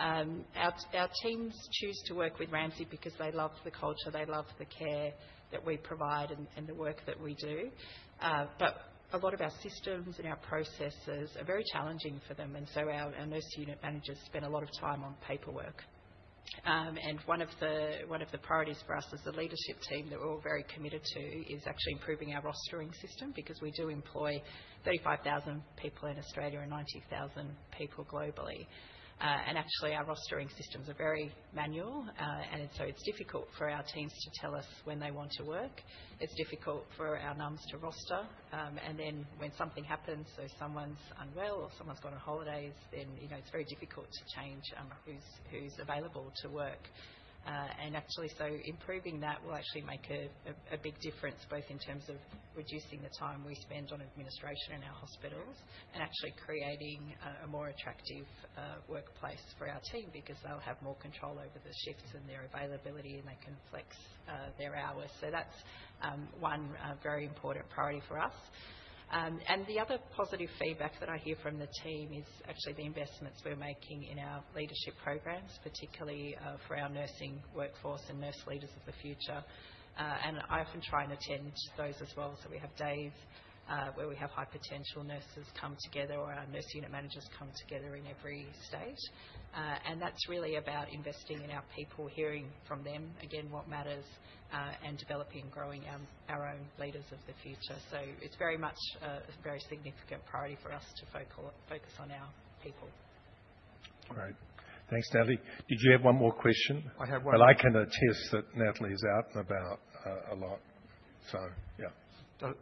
Speaker 3: Our teams choose to work with Ramsay because they love the culture, they love the care that we provide, and the work that we do. A lot of our systems and our processes are very challenging for them. Our nurse unit managers spend a lot of time on paperwork. One of the priorities for us as a leadership team that we're all very committed to is actually improving our rostering system because we do employ 35,000 people in Australia and 90,000 people globally. Actually, our rostering systems are very manual. It's difficult for our teams to tell us when they want to work. It's difficult for our nurse unit managers to roster. When something happens, for example, someone's unwell or someone's gone on holidays, it's very difficult to change who's available to work. Actually, improving that will make a big difference both in terms of reducing the time we spend on administration in our hospitals and actually creating a more attractive workplace for our team because they'll have more control over the shifts and their availability, and they can flex their hours. That is one very important priority for us. The other positive feedback that I hear from the team is actually the investments we're making in our leadership programs, particularly for our nursing workforce and nurse leaders of the future. I often try and attend those as well. We have days where we have high-potential nurses come together or our nurse unit managers come together in every state. That is really about investing in our people, hearing from them, again, what matters, and developing and growing our own leaders of the future. It is very much a very significant priority for us to focus on our people.
Speaker 1: Great. Thanks, Natalie. Did you have one more question?
Speaker 5: I had one.
Speaker 1: I can attest that Natalie is out and about a lot. Yeah.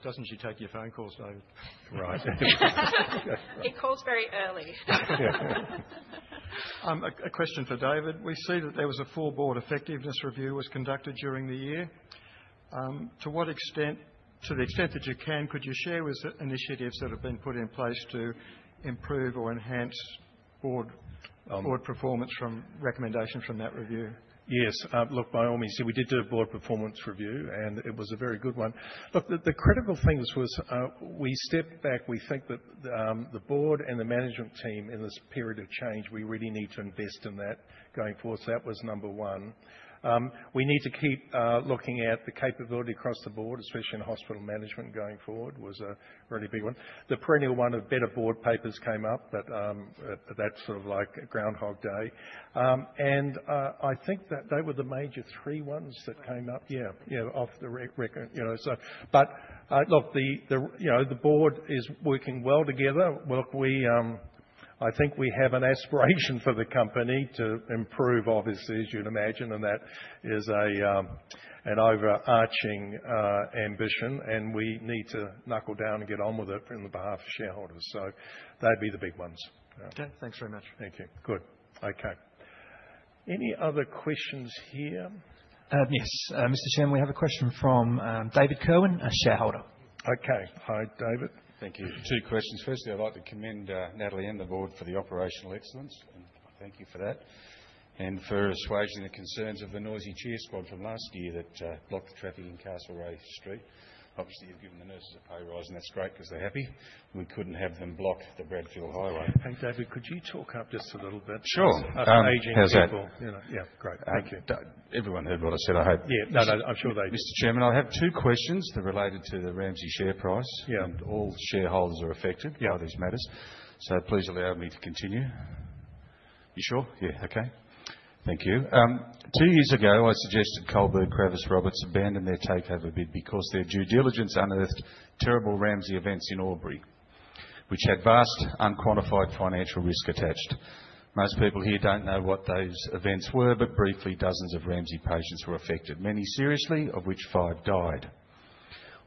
Speaker 5: Doesn't she take your phone calls, David?
Speaker 1: Right.
Speaker 3: It calls very early.
Speaker 5: Yeah. A question for David. We see that there was a full board effectiveness review that was conducted during the year. To the extent that you can, could you share with initiatives that have been put in place to improve or enhance board performance from recommendation from that review?
Speaker 1: Yes. Look, by all means, we did do a board performance review, and it was a very good one. The critical thing was we stepped back. We think that the board and the management team in this period of change, we really need to invest in that going forward. That was number one. We need to keep looking at the capability across the board, especially in hospital management going forward, was a really big one. The perennial one of better board papers came up, but that's sort of like Groundhog Day. I think that they were the major three ones that came up, yeah, off the record. The board is working well together. I think we have an aspiration for the company to improve, obviously, as you'd imagine, and that is an overarching ambition. We need to knuckle down and get on with it on behalf of shareholders. They would be the big ones.
Speaker 5: Okay. Thanks very much.
Speaker 1: Thank you. Good. Okay. Any other questions here?
Speaker 2: Yes. Mr. Chairman, we have a question from David Kerwin, a shareholder.
Speaker 1: Okay. Hi, David.
Speaker 6: Thank you. Two questions. Firstly, I'd like to commend Natalie and the board for the operational excellence. Thank you for that. For assuaging the concerns of the noisy chair squad from last year that blocked the traffic in Castlereagh Street. Obviously, you've given the nurses a pay rise, and that's great because they're happy. We couldn't have them block the Bradfield Highway.
Speaker 1: Thank you. Thank you, David. Could you talk up just a little bit?
Speaker 6: Sure. How's that?
Speaker 1: About the aging people? Yeah. Great. Thank you.
Speaker 6: Everyone heard what I said, I hope.
Speaker 1: Yeah. No, no. I'm sure they did.
Speaker 6: Mr. Chairman, I have two questions that are related to the Ramsay share price. All shareholders are affected by these matters. Please allow me to continue. You sure? Yeah. Okay. Thank you. Two years ago, I suggested KKR abandon their takeover bid because their due diligence unearthed terrible Ramsay events in Albury, which had vast unquantified financial risk attached. Most people here do not know what those events were, but briefly, dozens of Ramsay patients were affected, many seriously, of which five died.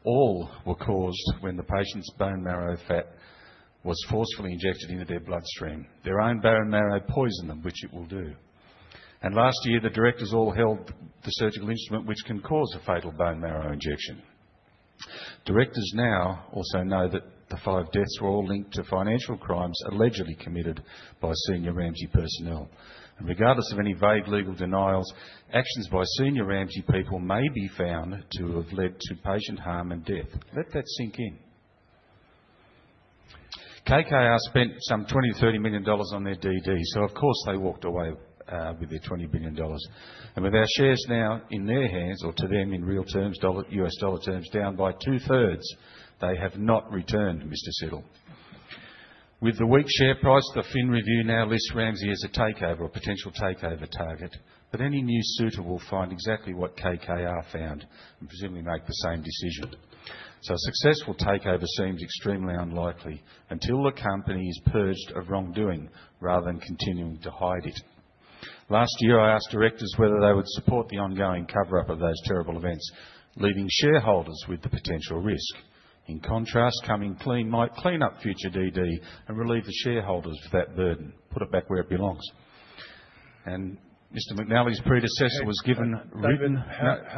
Speaker 6: All were caused when the patient's bone marrow fat was forcefully injected into their bloodstream. Their own bone marrow poisoned them, which it will do. Last year, the directors all held the surgical instrument, which can cause a fatal bone marrow injection. Directors now also know that the five deaths were all linked to financial crimes allegedly committed by senior Ramsay personnel. Regardless of any vague legal denials, actions by senior Ramsay people may be found to have led to patient harm and death. Let that sink in. KKR spent $20 million-$30 million on their DD. Of course, they walked away with their $20 billion. With our shares now in their hands, or to them in real terms, US dollar terms, down by two-thirds, they have not returned, Mr. Siddle. With the weak share price, the FIN review now lists Ramsay as a potential takeover target. Any new suitor will find exactly what KKR found and presumably make the same decision. A successful takeover seems extremely unlikely until the company is purged of wrongdoing rather than continuing to hide it. Last year, I asked directors whether they would support the ongoing cover-up of those terrible events, leaving shareholders with the potential risk. In contrast, coming clean might clean up future DD and relieve the shareholders of that burden, put it back where it belongs. Mr. McNally's predecessor was given ribbon. David?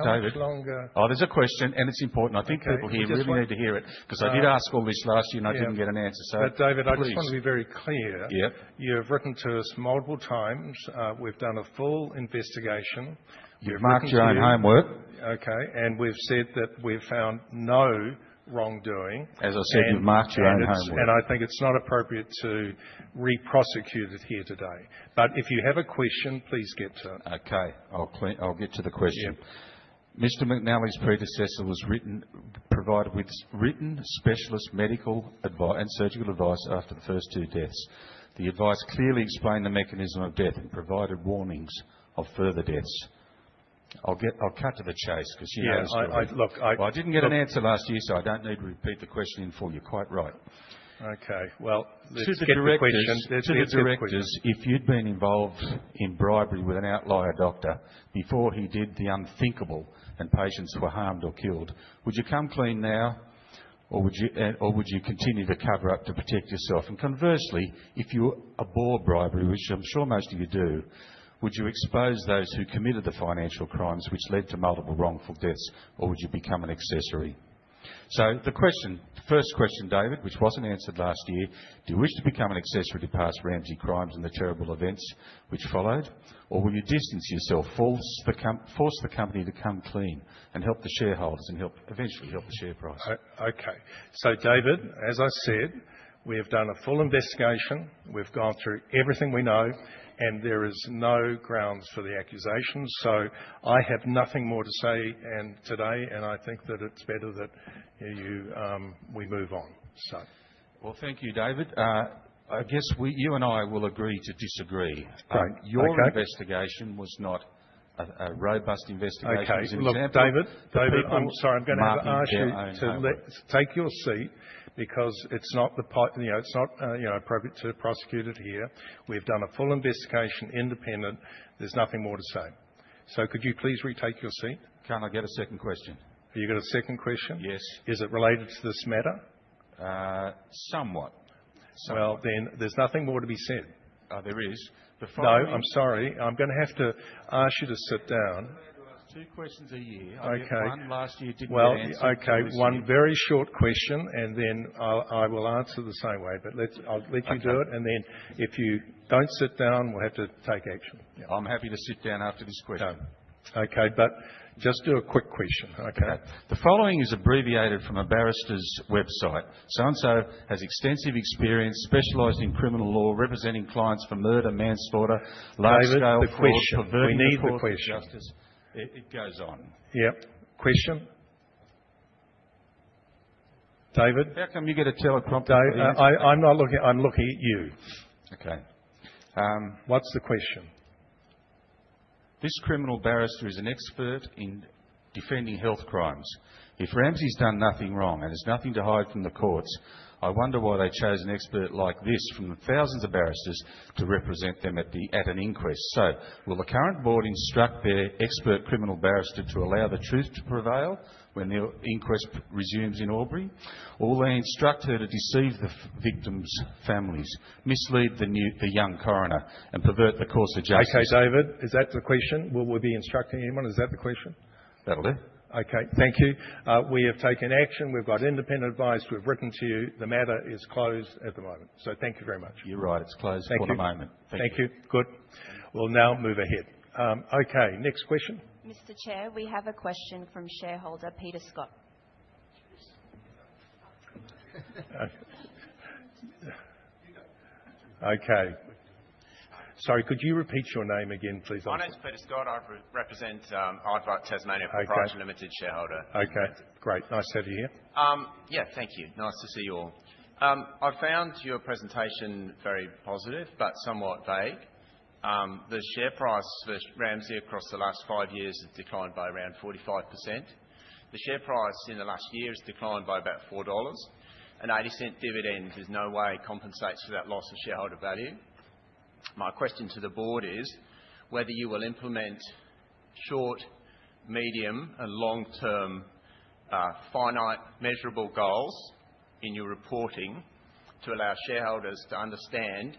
Speaker 1: How much longer?
Speaker 6: Oh, there's a question, and it's important. I think people here really need to hear it because I did ask all this last year, and I didn't get an answer.
Speaker 1: David, I just want to be very clear. You've written to us multiple times. We've done a full investigation.
Speaker 6: You've marked your own homework.
Speaker 1: Okay. We have said that we found no wrongdoing.
Speaker 6: As I said, you've marked your own homework.
Speaker 1: I think it's not appropriate to re-prosecute it here today. If you have a question, please get to it.
Speaker 6: Okay. I'll get to the question. Mr. McNally's predecessor was provided with written specialist medical and surgical advice after the first two deaths. The advice clearly explained the mechanism of death and provided warnings of further deaths. I'll cut to the chase because you know the story.
Speaker 1: Look, I didn't get an answer last year, so I don't need to repeat the questioning for you. Quite right.
Speaker 6: Okay. There are two different questions. There are two different questions. If you'd been involved in bribery with an outlier doctor before he did the unthinkable and patients were harmed or killed, would you come clean now, or would you continue to cover up to protect yourself? Conversely, if you were aboard bribery, which I'm sure most of you do, would you expose those who committed the financial crimes, which led to multiple wrongful deaths, or would you become an accessory? The first question, David, which was not answered last year, do you wish to become an accessory to past Ramsay crimes and the terrible events which followed, or will you distance yourself, force the company to come clean and help the shareholders and eventually help the share price?
Speaker 1: Okay. David, as I said, we have done a full investigation. We've gone through everything we know, and there is no grounds for the accusation. I have nothing more to say today, and I think that it's better that we move on.
Speaker 6: Thank you, David. I guess you and I will agree to disagree. Your investigation was not a robust investigation.
Speaker 1: Okay. Look, David.
Speaker 6: People.
Speaker 1: David, I'm sorry. I'm going to ask you to take your seat because it's not appropriate to prosecute it here. We've done a full investigation, independent. There's nothing more to say. Could you please retake your seat?
Speaker 6: Can I get a second question?
Speaker 1: Have you got a second question?
Speaker 6: Yes.
Speaker 1: Is it related to this matter?
Speaker 6: Somewhat.
Speaker 1: There is nothing more to be said.
Speaker 6: There is.
Speaker 1: No, I'm sorry. I'm going to have to ask you to sit down.
Speaker 6: I'm going to ask two questions a year. I know one last year didn't answer the question.
Speaker 1: Okay. One very short question, and then I will answer the same way. I will let you do it. If you do not sit down, we will have to take action.
Speaker 6: I'm happy to sit down after this question.
Speaker 1: Okay. Just do a quick question, okay?
Speaker 6: The following is abbreviated from a barrister's website. So-and-so has extensive experience, specialized in criminal law, representing clients for murder, manslaughter, large-scale fraud, perverse sexual offenses.
Speaker 1: David, we need the question. It goes on.
Speaker 6: Yep. Question? David.
Speaker 1: How come you get a teleprompter?
Speaker 6: David, I'm looking at you.
Speaker 1: Okay. What's the question?
Speaker 6: This criminal barrister is an expert in defending health crimes. If Ramsay's done nothing wrong and there's nothing to hide from the courts, I wonder why they chose an expert like this from the thousands of barristers to represent them at an inquest. Will the current board instruct their expert criminal barrister to allow the truth to prevail when the inquest resumes in Albury? Will they instruct her to deceive the victim's families, mislead the young coroner, and pervert the course of justice?
Speaker 1: Okay, David. Is that the question? Will we be instructing anyone? Is that the question?
Speaker 6: That'll do.
Speaker 1: Okay. Thank you. We have taken action. We've got independent advice. We've written to you. The matter is closed at the moment. Thank you very much. You're right. It's closed for the moment. Thank you. Thank you. Good. We'll now move ahead. Okay. Next question.
Speaker 6: Mr. Chair, we have a question from shareholder Peter Scott.
Speaker 1: Okay. Sorry. Could you repeat your name again, please?
Speaker 7: My name's Peter Scott. I represent Aardvark Tasmania Corporation, limited shareholder.
Speaker 1: Okay. Great. Nice to have you here.
Speaker 7: Yeah. Thank you. Nice to see you all. I found your presentation very positive but somewhat vague. The share price for Ramsay across the last five years has declined by around 45%. The share price in the last year has declined by about $4. An 80-cent dividend is no way it compensates for that loss of shareholder value. My question to the board is whether you will implement short, medium, and long-term finite measurable goals in your reporting to allow shareholders to understand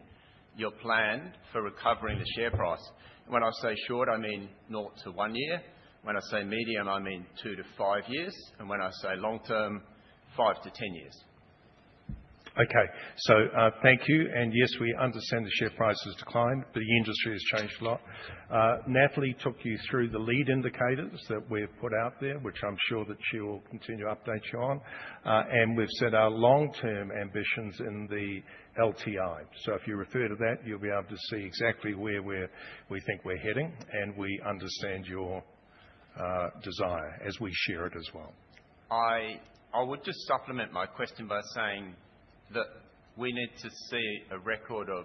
Speaker 7: your plan for recovering the share price. When I say short, I mean 0 to 1 year. When I say medium, I mean 2 to 5 years. And when I say long-term, 5 to 10 years.
Speaker 1: Thank you. Yes, we understand the share price has declined, but the industry has changed a lot. Natalie took you through the lead indicators that we have put out there, which I am sure that she will continue to update you on. We have set our long-term ambitions in the LTI. If you refer to that, you will be able to see exactly where we think we are heading. We understand your desire as we share it as well.
Speaker 7: I would just supplement my question by saying that we need to see a record of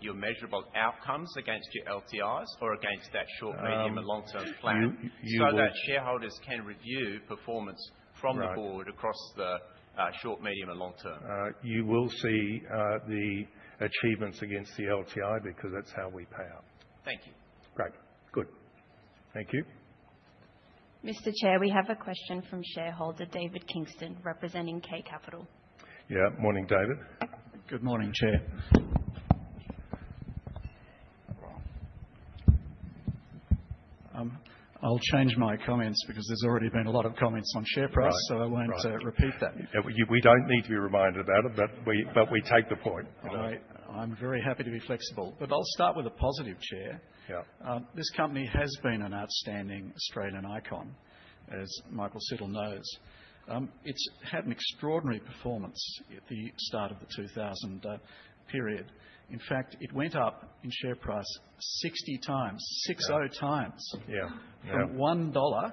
Speaker 7: your measurable outcomes against your LTIs or against that short, medium, and long-term plan so that shareholders can review performance from the board across the short, medium, and long term.
Speaker 1: You will see the achievements against the LTI because that's how we pay out.
Speaker 7: Thank you.
Speaker 1: Great. Good. Thank you.
Speaker 2: Mr. Chair, we have a question from shareholder David Kingston representing K Capital.
Speaker 8: Yeah. Morning, David.
Speaker 2: Good morning, Chair. I'll change my comments because there's already been a lot of comments on share price, so I won't repeat that.
Speaker 1: We don't need to be reminded about it, but we take the point.
Speaker 2: I'm very happy to be flexible. I'll start with a positive, Chair. This company has been an outstanding Australian icon, as Michael Siddle knows. It's had an extraordinary performance at the start of the 2000 period. In fact, it went up in share price 60 times, 60 times from 1 dollar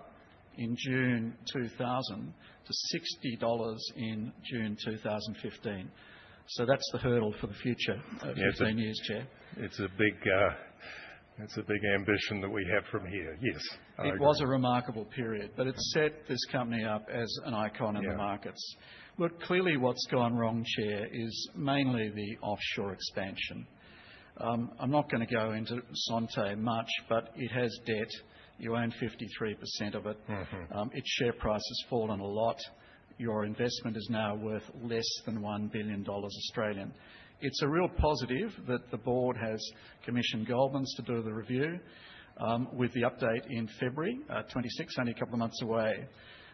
Speaker 2: in June 2000 to 60 dollars in June 2015. That's the hurdle for the future of 15 years, Chair.
Speaker 1: It's a big ambition that we have from here. Yes.
Speaker 8: It was a remarkable period, but it set this company up as an icon in the markets. Look, clearly what's gone wrong, Chair, is mainly the offshore expansion. I'm not going to go into Santé much, but it has debt. You own 53% of it. Its share price has fallen a lot. Your investment is now worth less than 1 billion Australian dollars. It's a real positive that the board has commissioned Goldman Sachs to do the review with the update in February 2026, only a couple of months away.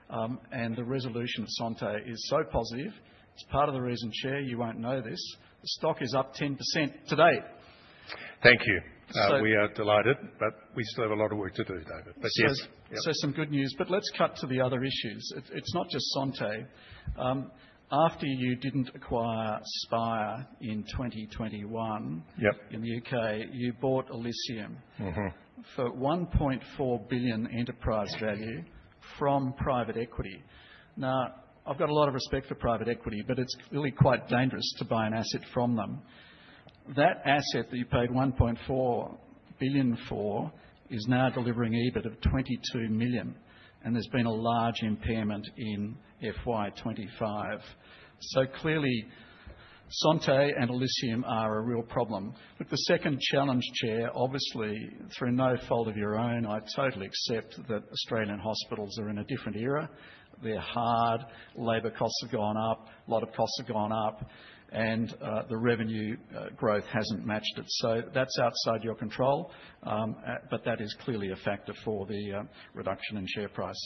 Speaker 8: The resolution of Santé is so positive. It's part of the reason, Chair, you won't know this. The stock is up 10% to date.
Speaker 1: Thank you. We are delighted, but we still have a lot of work to do, David. Yes.
Speaker 8: Some good news. Let's cut to the other issues. It's not just Santé. After you didn't acquire Spire in 2021 in the U.K., you bought Elysium for 1.4 billion enterprise value from private equity. Now, I've got a lot of respect for private equity, but it's really quite dangerous to buy an asset from them. That asset that you paid 1.4 billion for is now delivering EBIT of 22 million. There has been a large impairment in fiscal year 2025. Clearly, Santé and Elysium are a real problem. The second challenge, Chair, obviously, through no fault of your own, I totally accept that Australian hospitals are in a different era. They're hard. Labor costs have gone up. A lot of costs have gone up. The revenue growth hasn't matched it. That is outside your control. That is clearly a factor for the reduction in share price.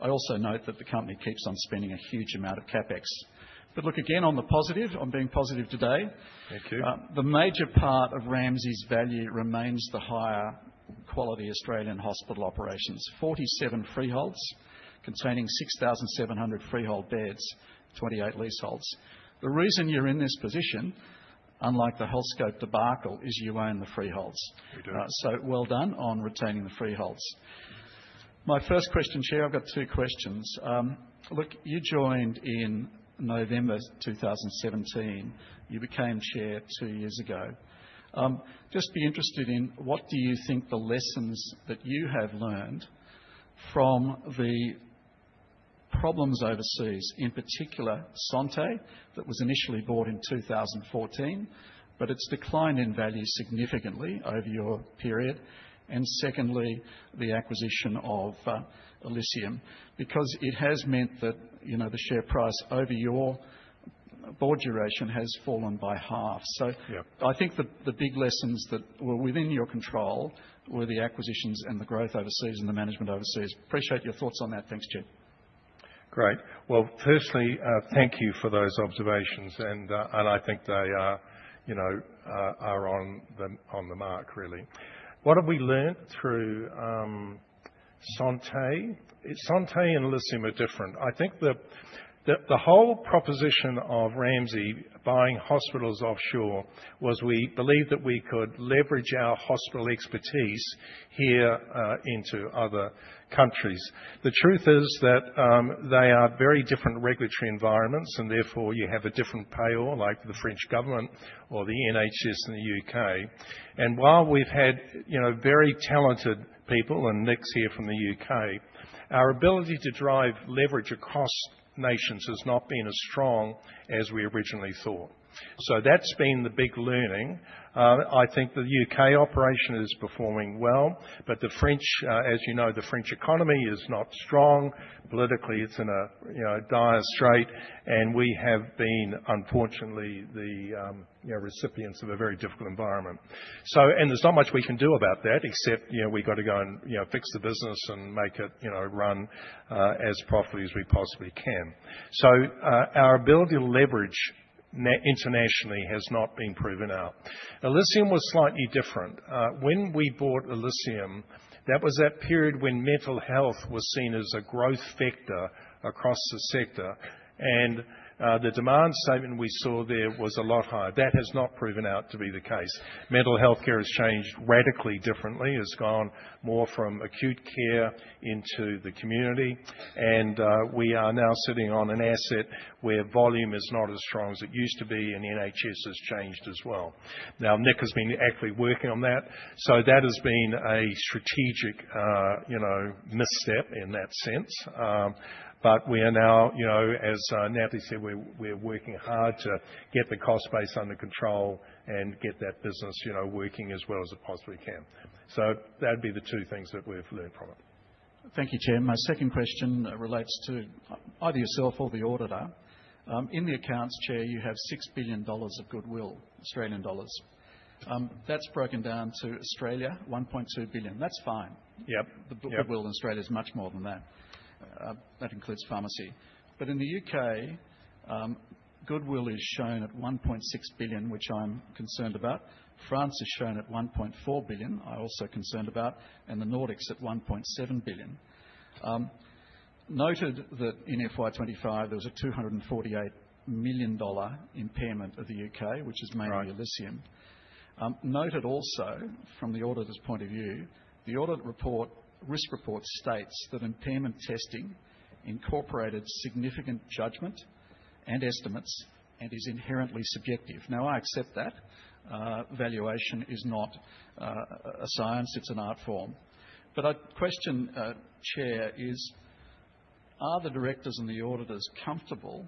Speaker 8: I also note that the company keeps on spending a huge amount of CapEx. Look, again, on the positive, I'm being positive today.
Speaker 1: Thank you.
Speaker 8: The major part of Ramsay's value remains the higher quality Australian hospital operations: 47 freeholds containing 6,700 freehold beds, 28 leaseholds. The reason you're in this position, unlike the Healthscope debacle, is you own the freeholds.
Speaker 1: We do.
Speaker 8: Well done on retaining the freeholds. My first question, Chair, I've got two questions. Look, you joined in November 2017. You became Chair two years ago. Just be interested in what do you think the lessons that you have learned from the problems overseas, in particular, Santé that was initially bought in 2014, but it's declined in value significantly over your period, and secondly, the acquisition of Elysium because it has meant that the share price over your board duration has fallen by half. I think the big lessons that were within your control were the acquisitions and the growth overseas and the management overseas. Appreciate your thoughts on that. Thanks, Jim.
Speaker 1: Great. Firstly, thank you for those observations. I think they are on the mark, really. What have we learned through Santé? Santé and Elysium are different. I think the whole proposition of Ramsay buying hospitals offshore was we believed that we could leverage our hospital expertise here into other countries. The truth is that they are very different regulatory environments, and therefore you have a different payor like the French government or the NHS in the U.K. While we've had very talented people and execs here from the U.K., our ability to drive leverage across nations has not been as strong as we originally thought. That's been the big learning. I think the U.K. operation is performing well. As you know, the French economy is not strong. Politically, it's in a dire strait. We have been, unfortunately, the recipients of a very difficult environment. There is not much we can do about that except we have to go and fix the business and make it run as properly as we possibly can. Our ability to leverage internationally has not been proven out. Elysium was slightly different. When we bought Elysium, that was that period when mental health was seen as a growth factor across the sector. The demand statement we saw there was a lot higher. That has not proven out to be the case. Mental healthcare has changed radically differently. It has gone more from acute care into the community. We are now sitting on an asset where volume is not as strong as it used to be, and NHS has changed as well. Nick has been actively working on that. That has been a strategic misstep in that sense. We are now, as Natalie said, working hard to get the cost base under control and get that business working as well as it possibly can. That would be the two things that we've learned from it.
Speaker 8: Thank you, Chair. My second question relates to either yourself or the auditor. In the accounts, Chair, you have 6 billion dollars of goodwill. That's broken down to Australia, 1.2 billion. That's fine.
Speaker 1: Yep.
Speaker 8: The goodwill in Australia is much more than that. That includes pharmacy. In the U.K., goodwill is shown at 1.6 billion, which I'm concerned about. France is shown at 1.4 billion, I'm also concerned about, and the Nordics at 1.7 billion. Noted that in FY 2025, there was an 248 million dollar impairment of the U.K., which is mainly Elysium.
Speaker 1: Right.
Speaker 8: Noted also, from the auditor's point of view, the audit report, risk report states that impairment testing incorporated significant judgment and estimates and is inherently subjective. I accept that. Valuation is not a science. It's an art form. A question, Chair, is are the directors and the auditors comfortable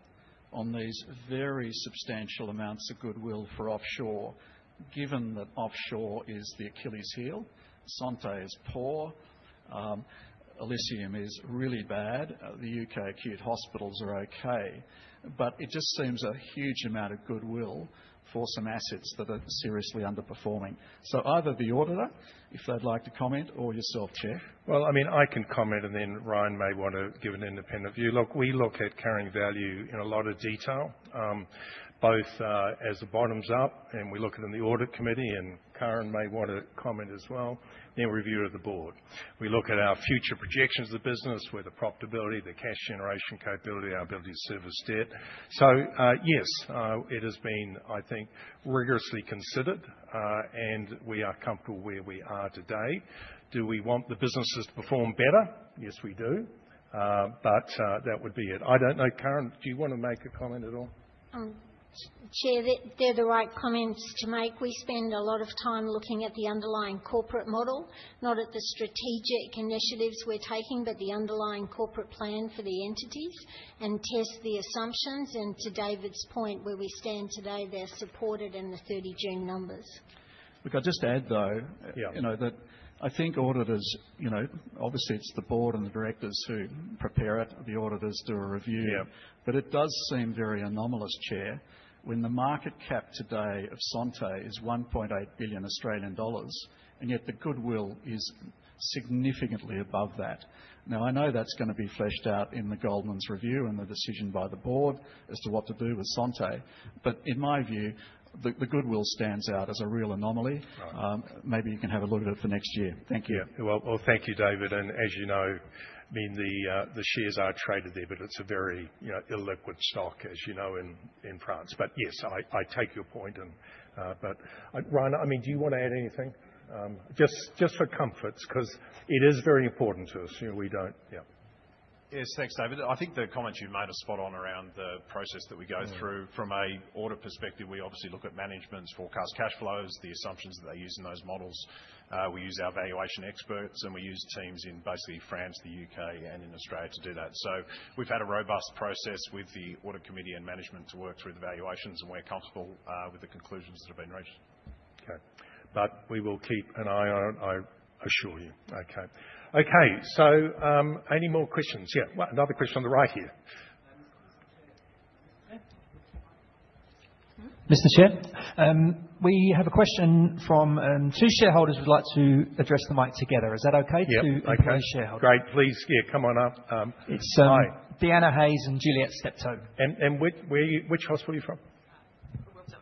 Speaker 8: on these very substantial amounts of goodwill for offshore, given that offshore is the Achilles heel? Santé is poor. Elysium is really bad. The U.K. acute hospitals are okay. It just seems a huge amount of goodwill for some assets that are seriously underperforming. Either the auditor, if they'd like to comment, or yourself, Chair.
Speaker 1: I mean, I can comment, and then Ryan may want to give an independent view. Look, we look at carrying value in a lot of detail, both as the bottoms up, and we look at it in the audit committee, and Karen may want to comment as well, then review it with the board. We look at our future projections of the business, where the profitability, the cash generation capability, our ability to service debt. Yes, it has been, I think, rigorously considered, and we are comfortable where we are today. Do we want the businesses to perform better? Yes, we do. That would be it. I do not know, Karen, do you want to make a comment at all?
Speaker 9: Chair, they're the right comments to make. We spend a lot of time looking at the underlying corporate model, not at the strategic initiatives we're taking, but the underlying corporate plan for the entities and test the assumptions. To David's point, where we stand today, they're supported in the 30 June numbers.
Speaker 8: Look, I'll just add, though, that I think auditors, obviously, it's the board and the directors who prepare it. The auditors do a review. It does seem very anomalous, Chair, when the market cap today of Santé is 1.8 billion Australian dollars, and yet the goodwill is significantly above that. I know that's going to be fleshed out in the Goldmans review and the decision by the board as to what to do with Santé. In my view, the goodwill stands out as a real anomaly. Maybe you can have a look at it for next year. Thank you.
Speaker 1: Thank you, David. As you know, the shares are traded there, but it is a very illiquid stock, as you know, in France. Yes, I take your point. Ryan, do you want to add anything? Just for comfort, because it is very important to us. We do not.
Speaker 10: Yes, thanks, David. I think the comments you made are spot on around the process that we go through. From an audit perspective, we obviously look at management's forecast cash flows, the assumptions that they use in those models. We use our valuation experts, and we use teams in basically France, the U.K., and in Australia to do that. We have had a robust process with the audit committee and management to work through the valuations, and we are comfortable with the conclusions that have been reached.
Speaker 1: Okay. We will keep an eye on it, I assure you. Okay. Okay. Any more questions? Yeah. Another question on the right here.
Speaker 11: Mr. Chair? We have a question from two shareholders who would like to address the mic together. Is that okay?
Speaker 1: Yeah. Okay.
Speaker 11: To a shareholder.
Speaker 1: Great. Please, yeah, come on up.
Speaker 11: It's Diana Hayes and Juliet Steptoe.
Speaker 1: Which hospital are you from?
Speaker 12: Well done.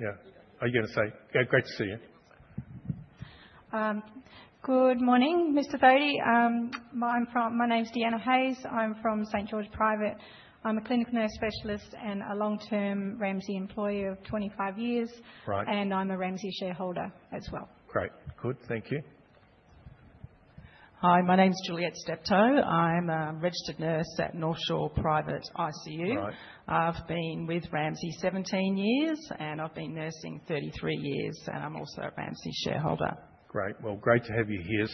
Speaker 1: Yeah. Are you going to say, "Great to see you"?
Speaker 12: Good morning, Mr. Thodey. My name's Diana Hayes. I'm from St. George Private. I'm a clinical nurse specialist and a long-term Ramsay employee of 25 years. And I'm a Ramsay shareholder as well.
Speaker 1: Great. Good. Thank you.
Speaker 13: Hi. My name's Juliet Steptoe. I'm a registered nurse at Northshore Private ICU. I've been with Ramsay 17 years, and I've been nursing 33 years. I'm also a Ramsay shareholder.
Speaker 1: Great. Great to have you here.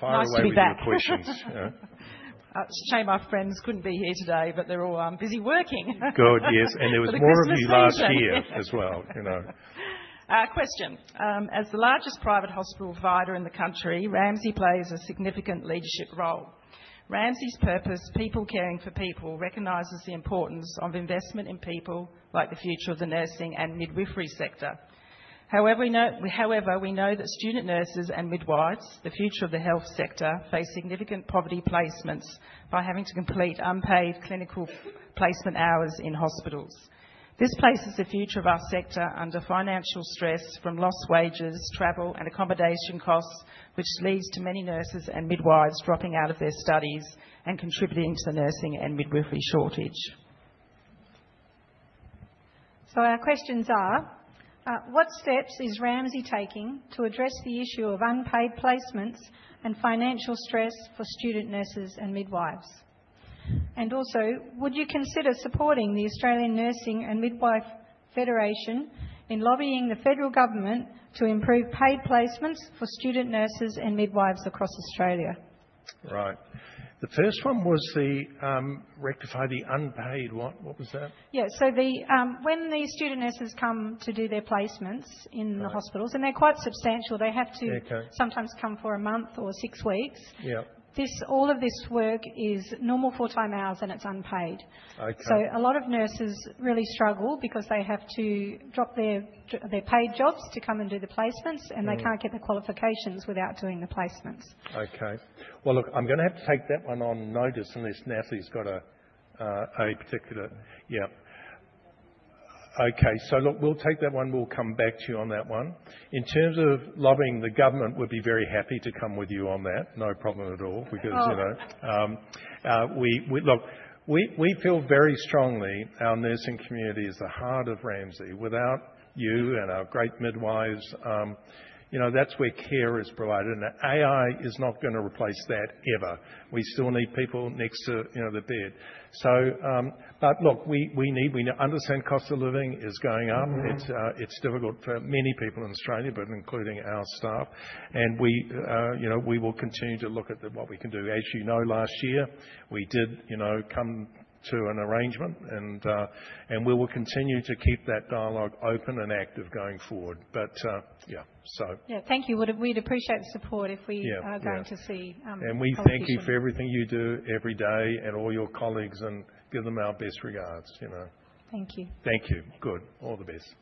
Speaker 1: Fire away with your questions.
Speaker 12: It's too bad. It's a shame our friends couldn't be here today, but they're all busy working.
Speaker 1: Good. Yes. There was more of you last year as well.
Speaker 12: Question. As the largest private hospital provider in the country, Ramsay plays a significant leadership role. Ramsay's purpose, people caring for people, recognizes the importance of investment in people like the future of the nursing and midwifery sector. However, we know that student nurses and midwives, the future of the health sector, face significant poverty placements by having to complete unpaid clinical placement hours in hospitals. This places the future of our sector under financial stress from lost wages, travel, and accommodation costs, which leads to many nurses and midwives dropping out of their studies and contributing to the nursing and midwifery shortage. Our questions are, what steps is Ramsay taking to address the issue of unpaid placements and financial stress for student nurses and midwives? Also, would you consider supporting the Australian Nursing and Midwife Federation in lobbying the federal government to improve paid placements for student nurses and midwives across Australia?
Speaker 1: Right. The first one was the rectify the unpaid what? What was that?
Speaker 12: Yeah. When the student nurses come to do their placements in the hospitals, and they're quite substantial, they have to sometimes come for a month or six weeks. All of this work is normal full-time hours, and it's unpaid. A lot of nurses really struggle because they have to drop their paid jobs to come and do the placements, and they can't get the qualifications without doing the placements.
Speaker 1: Okay. Look, I'm going to have to take that one on notice unless Natalie's got a particular—yep. Okay. Look, we'll take that one. We'll come back to you on that one. In terms of lobbying, the government would be very happy to come with you on that. No problem at all because, look, we feel very strongly our nursing community is the heart of Ramsay. Without you and our great midwives, that's where care is provided. AI is not going to replace that ever. We still need people next to the bed. Look, we understand cost of living is going up. It's difficult for many people in Australia, including our staff. We will continue to look at what we can do. As you know, last year, we did come to an arrangement, and we will continue to keep that dialogue open and active going forward. Yeah, so.
Speaker 12: Yeah. Thank you. We'd appreciate the support if we are going to see something like that.
Speaker 1: We thank you for everything you do every day and all your colleagues, and give them our best regards.
Speaker 12: Thank you.
Speaker 1: Thank you. Good. All the best.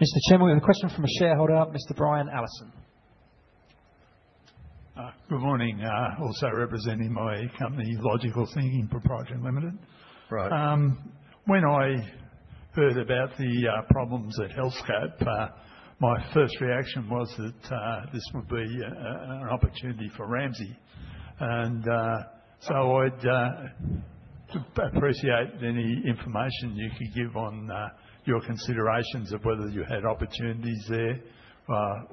Speaker 11: Mr. Chairman, we have a question from a shareholder, Mr. Brian Allison.
Speaker 14: Good morning. Also representing my company, Logical Thinking Proprietary Limited. When I heard about the problems at Healthscope, my first reaction was that this would be an opportunity for Ramsay. I’d appreciate any information you could give on your considerations of whether you had opportunities there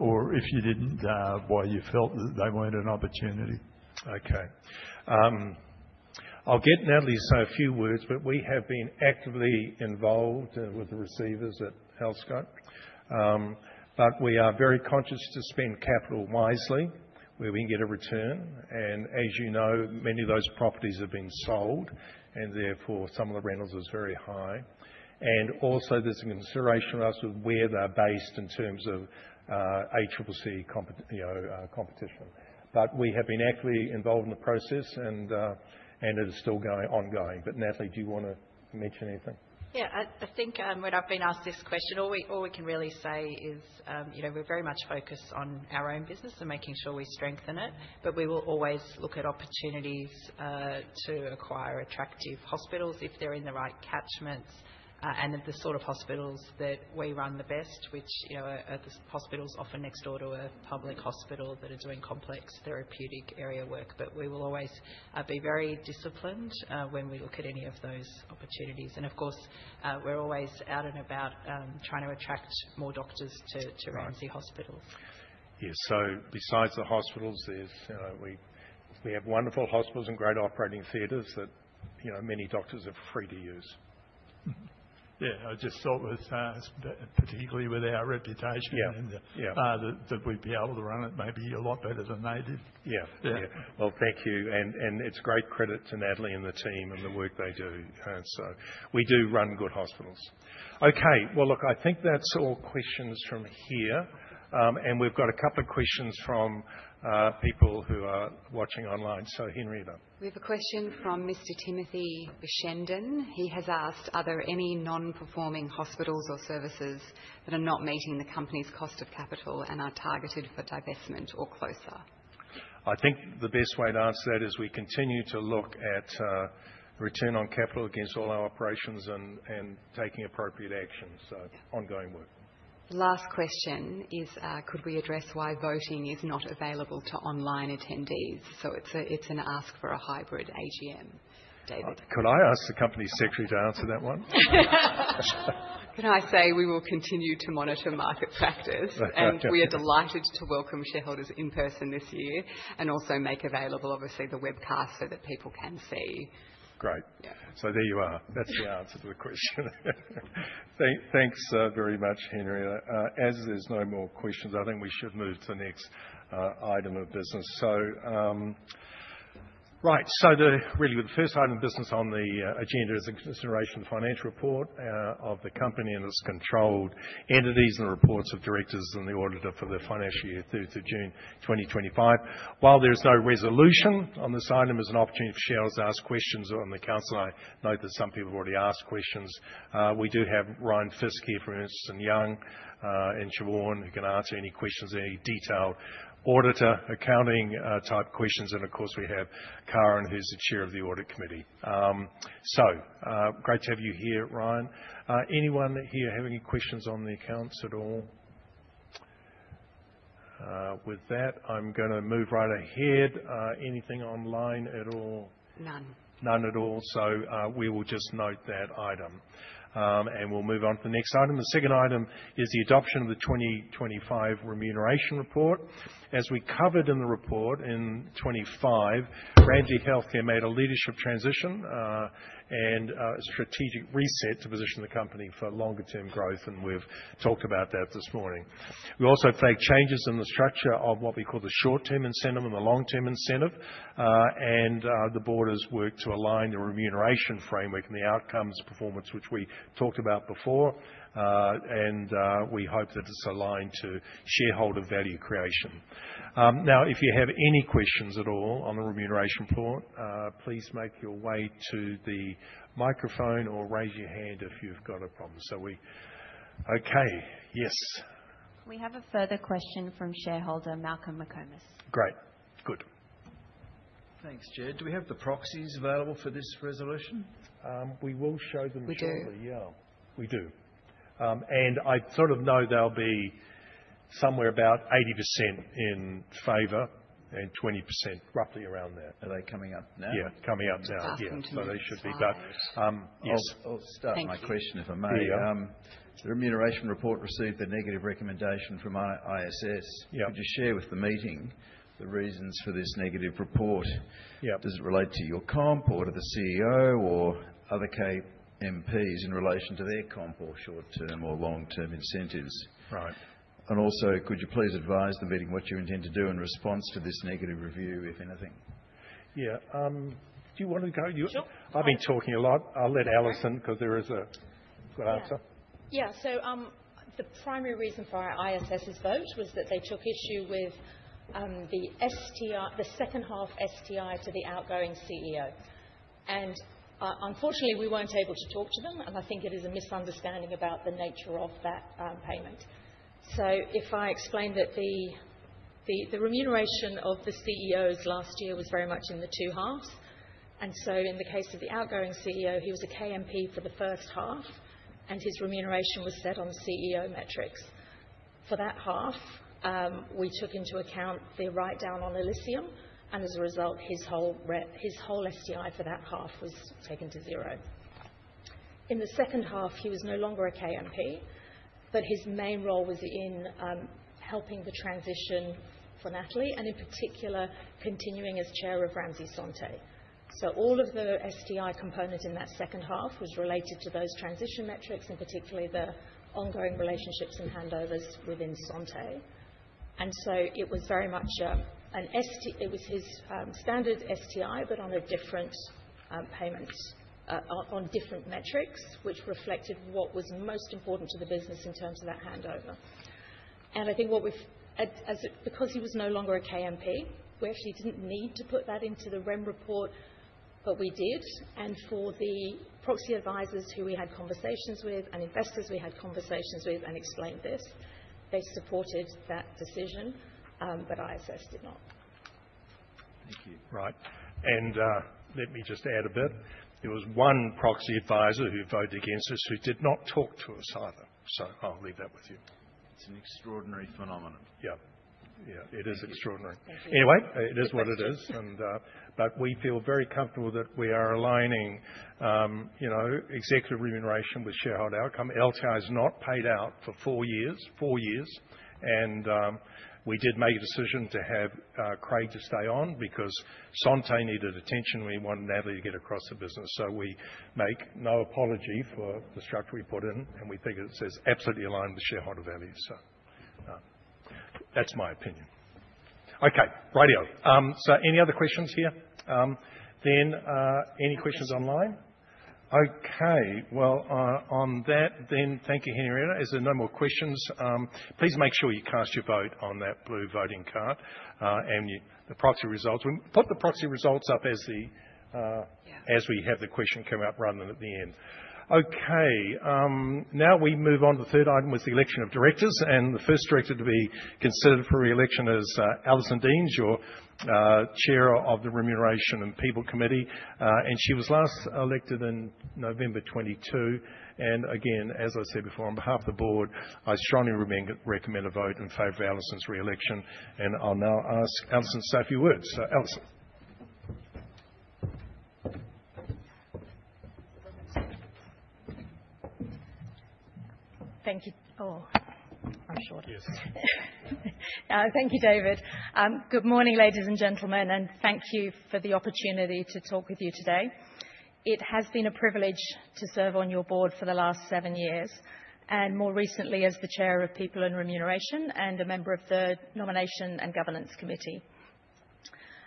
Speaker 14: or if you didn’t, why you felt that they weren’t an opportunity.
Speaker 1: Okay. I'll get Natalie to say a few words. We have been actively involved with the receivers at Healthscope. We are very conscious to spend capital wisely where we can get a return. As you know, many of those properties have been sold, and therefore some of the rentals are very high. There is also a consideration as to where they are based in terms of ACCC competition. We have been actively involved in the process, and it is still ongoing. Natalie, do you want to mention anything?
Speaker 3: Yeah. I think when I've been asked this question, all we can really say is we're very much focused on our own business and making sure we strengthen it. We will always look at opportunities to acquire attractive hospitals if they're in the right catchments and the sort of hospitals that we run the best, which are the hospitals often next door to a public hospital that are doing complex therapeutic area work. We will always be very disciplined when we look at any of those opportunities. Of course, we're always out and about trying to attract more doctors to Ramsay Hospitals.
Speaker 1: Yeah. Besides the hospitals, we have wonderful hospitals and great operating theaters that many doctors are free to use.
Speaker 14: Yeah. I just thought, particularly with our reputation, that we'd be able to run it maybe a lot better than they did.
Speaker 1: Yeah. Thank you. It is great credit to Natalie and the team and the work they do. We do run good hospitals. Okay. I think that's all questions from here. We've got a couple of questions from people who are watching online. Henrietta.
Speaker 2: We have a question from Mr. Timothy Vishenden. He has asked, are there any non-performing hospitals or services that are not meeting the company's cost of capital and are targeted for divestment or closure?
Speaker 1: I think the best way to answer that is we continue to look at return on capital against all our operations and taking appropriate action. Ongoing work.
Speaker 2: Last question is, could we address why voting is not available to online attendees? It is an ask for a hybrid AGM, David.
Speaker 1: Could I ask the Company Secretary to answer that one?
Speaker 2: Can I say we will continue to monitor market factors? We are delighted to welcome shareholders in person this year and also make available, obviously, the webcast so that people can see.
Speaker 1: Great. There you are. That's the answer to the question. Thanks very much, Henrietta. As there are no more questions, I think we should move to the next item of business. Really, the first item of business on the agenda is a consideration of the financial report of the company and its controlled entities and reports of directors and the auditor for the financial year through to June 2025. While there is no resolution on this item, there is an opportunity for shareholders to ask questions on the council. I know that some people have already asked questions. We do have Ryan Fisk here from Ernst & Young and Siobhan, who can answer any questions, any detailed auditor, accounting type questions. Of course, we have Karen, who is the Chair of the Audit Committee. Great to have you here, Ryan. Anyone here have any questions on the accounts at all? With that, I'm going to move right ahead. Anything online at all?
Speaker 2: None.
Speaker 1: None at all. We will just note that item. We will move on to the next item. The second item is the adoption of the 2025 remuneration report. As we covered in the report in 2025, Ramsay Health Care made a leadership transition and a strategic reset to position the company for longer-term growth. We have talked about that this morning. We also pledge changes in the structure of what we call the short-term incentive and the long-term incentive. The board has worked to align the remuneration framework and the outcomes, performance, which we talked about before. We hope that it is aligned to shareholder value creation. If you have any questions at all on the remuneration report, please make your way to the microphone or raise your hand if you have a problem. We okay. Yes.
Speaker 2: We have a further question from shareholder Malcolm McCombs.
Speaker 1: Great. Good.
Speaker 4: Thanks, Chair. Do we have the proxies available for this resolution?
Speaker 1: We will show them shortly.
Speaker 2: We do.
Speaker 1: Yeah. We do. I sort of know there'll be somewhere about 80% in favor and 20%, roughly around that.
Speaker 4: Are they coming up now?
Speaker 1: Yeah. Coming up now. They should be. Yes.
Speaker 4: I'll start my question, if I may. The remuneration report received a negative recommendation from ISS. Could you share with the meeting the reasons for this negative report? Does it relate to your comp or to the CEO or other KMPs in relation to their comp or short-term or long-term incentives? Also, could you please advise the meeting what you intend to do in response to this negative review, if anything?
Speaker 1: Yeah. Do you want to go? I've been talking a lot. I'll let Alison because there is a good answer.
Speaker 15: Yeah. The primary reason for ISS's vote was that they took issue with the second half STI to the outgoing CEO. Unfortunately, we were not able to talk to them. I think it is a misunderstanding about the nature of that payment. If I explain that the remuneration of the CEOs last year was very much in the two halves. In the case of the outgoing CEO, he was a KMP for the first half, and his remuneration was set on CEO metrics. For that half, we took into account the write-down on Elysium. As a result, his whole STI for that half was taken to zero. In the second half, he was no longer a KMP, but his main role was in helping the transition for Natalie and in particular, continuing as chair of Ramsay Santé. All of the STI component in that second half was related to those transition metrics, in particular, the ongoing relationships and handovers within Sonte. It was his standard STI, but on a different payment, on different metrics, which reflected what was most important to the business in terms of that handover. I think because he was no longer a KMP, we actually did not need to put that into the REM report, but we did. For the proxy advisors who we had conversations with and investors we had conversations with and explained this, they supported that decision, but ISS did not.
Speaker 1: Thank you. Right. Let me just add a bit. There was one proxy advisor who voted against us who did not talk to us either. I will leave that with you.
Speaker 4: It's an extraordinary phenomenon.
Speaker 1: Yeah. Yeah. It is extraordinary. Anyway, it is what it is. We feel very comfortable that we are aligning executive remuneration with shareholder outcome. LTI has not paid out for four years, four years. We did make a decision to have Craig to stay on because Santé needed attention. We wanted Natalie to get across the business. We make no apology for the structure we put in, and we think it is absolutely aligned with shareholder values. That is my opinion. Okay. Righto. Any other questions here? Any questions online? On that, thank you, Henrietta. Is there no more questions? Please make sure you cast your vote on that blue voting card and the proxy results. We put the proxy results up as we have the question come up rather than at the end. Now we move on to the third item, which was the election of directors. The first director to be considered for reelection is Alison Deans, your Chair of the People and Remuneration Committee. She was last elected in November 2022. As I said before, on behalf of the board, I strongly recommend a vote in favor of Alison's reelection. I'll now ask Alison to say a few words. Alison.
Speaker 15: Thank you. Oh, I'm short.
Speaker 1: Yes.
Speaker 15: Thank you, David. Good morning, ladies and gentlemen, and thank you for the opportunity to talk with you today. It has been a privilege to serve on your board for the last seven years and more recently as the Chair of People and Remuneration and a member of the Nomination and Governance Committee.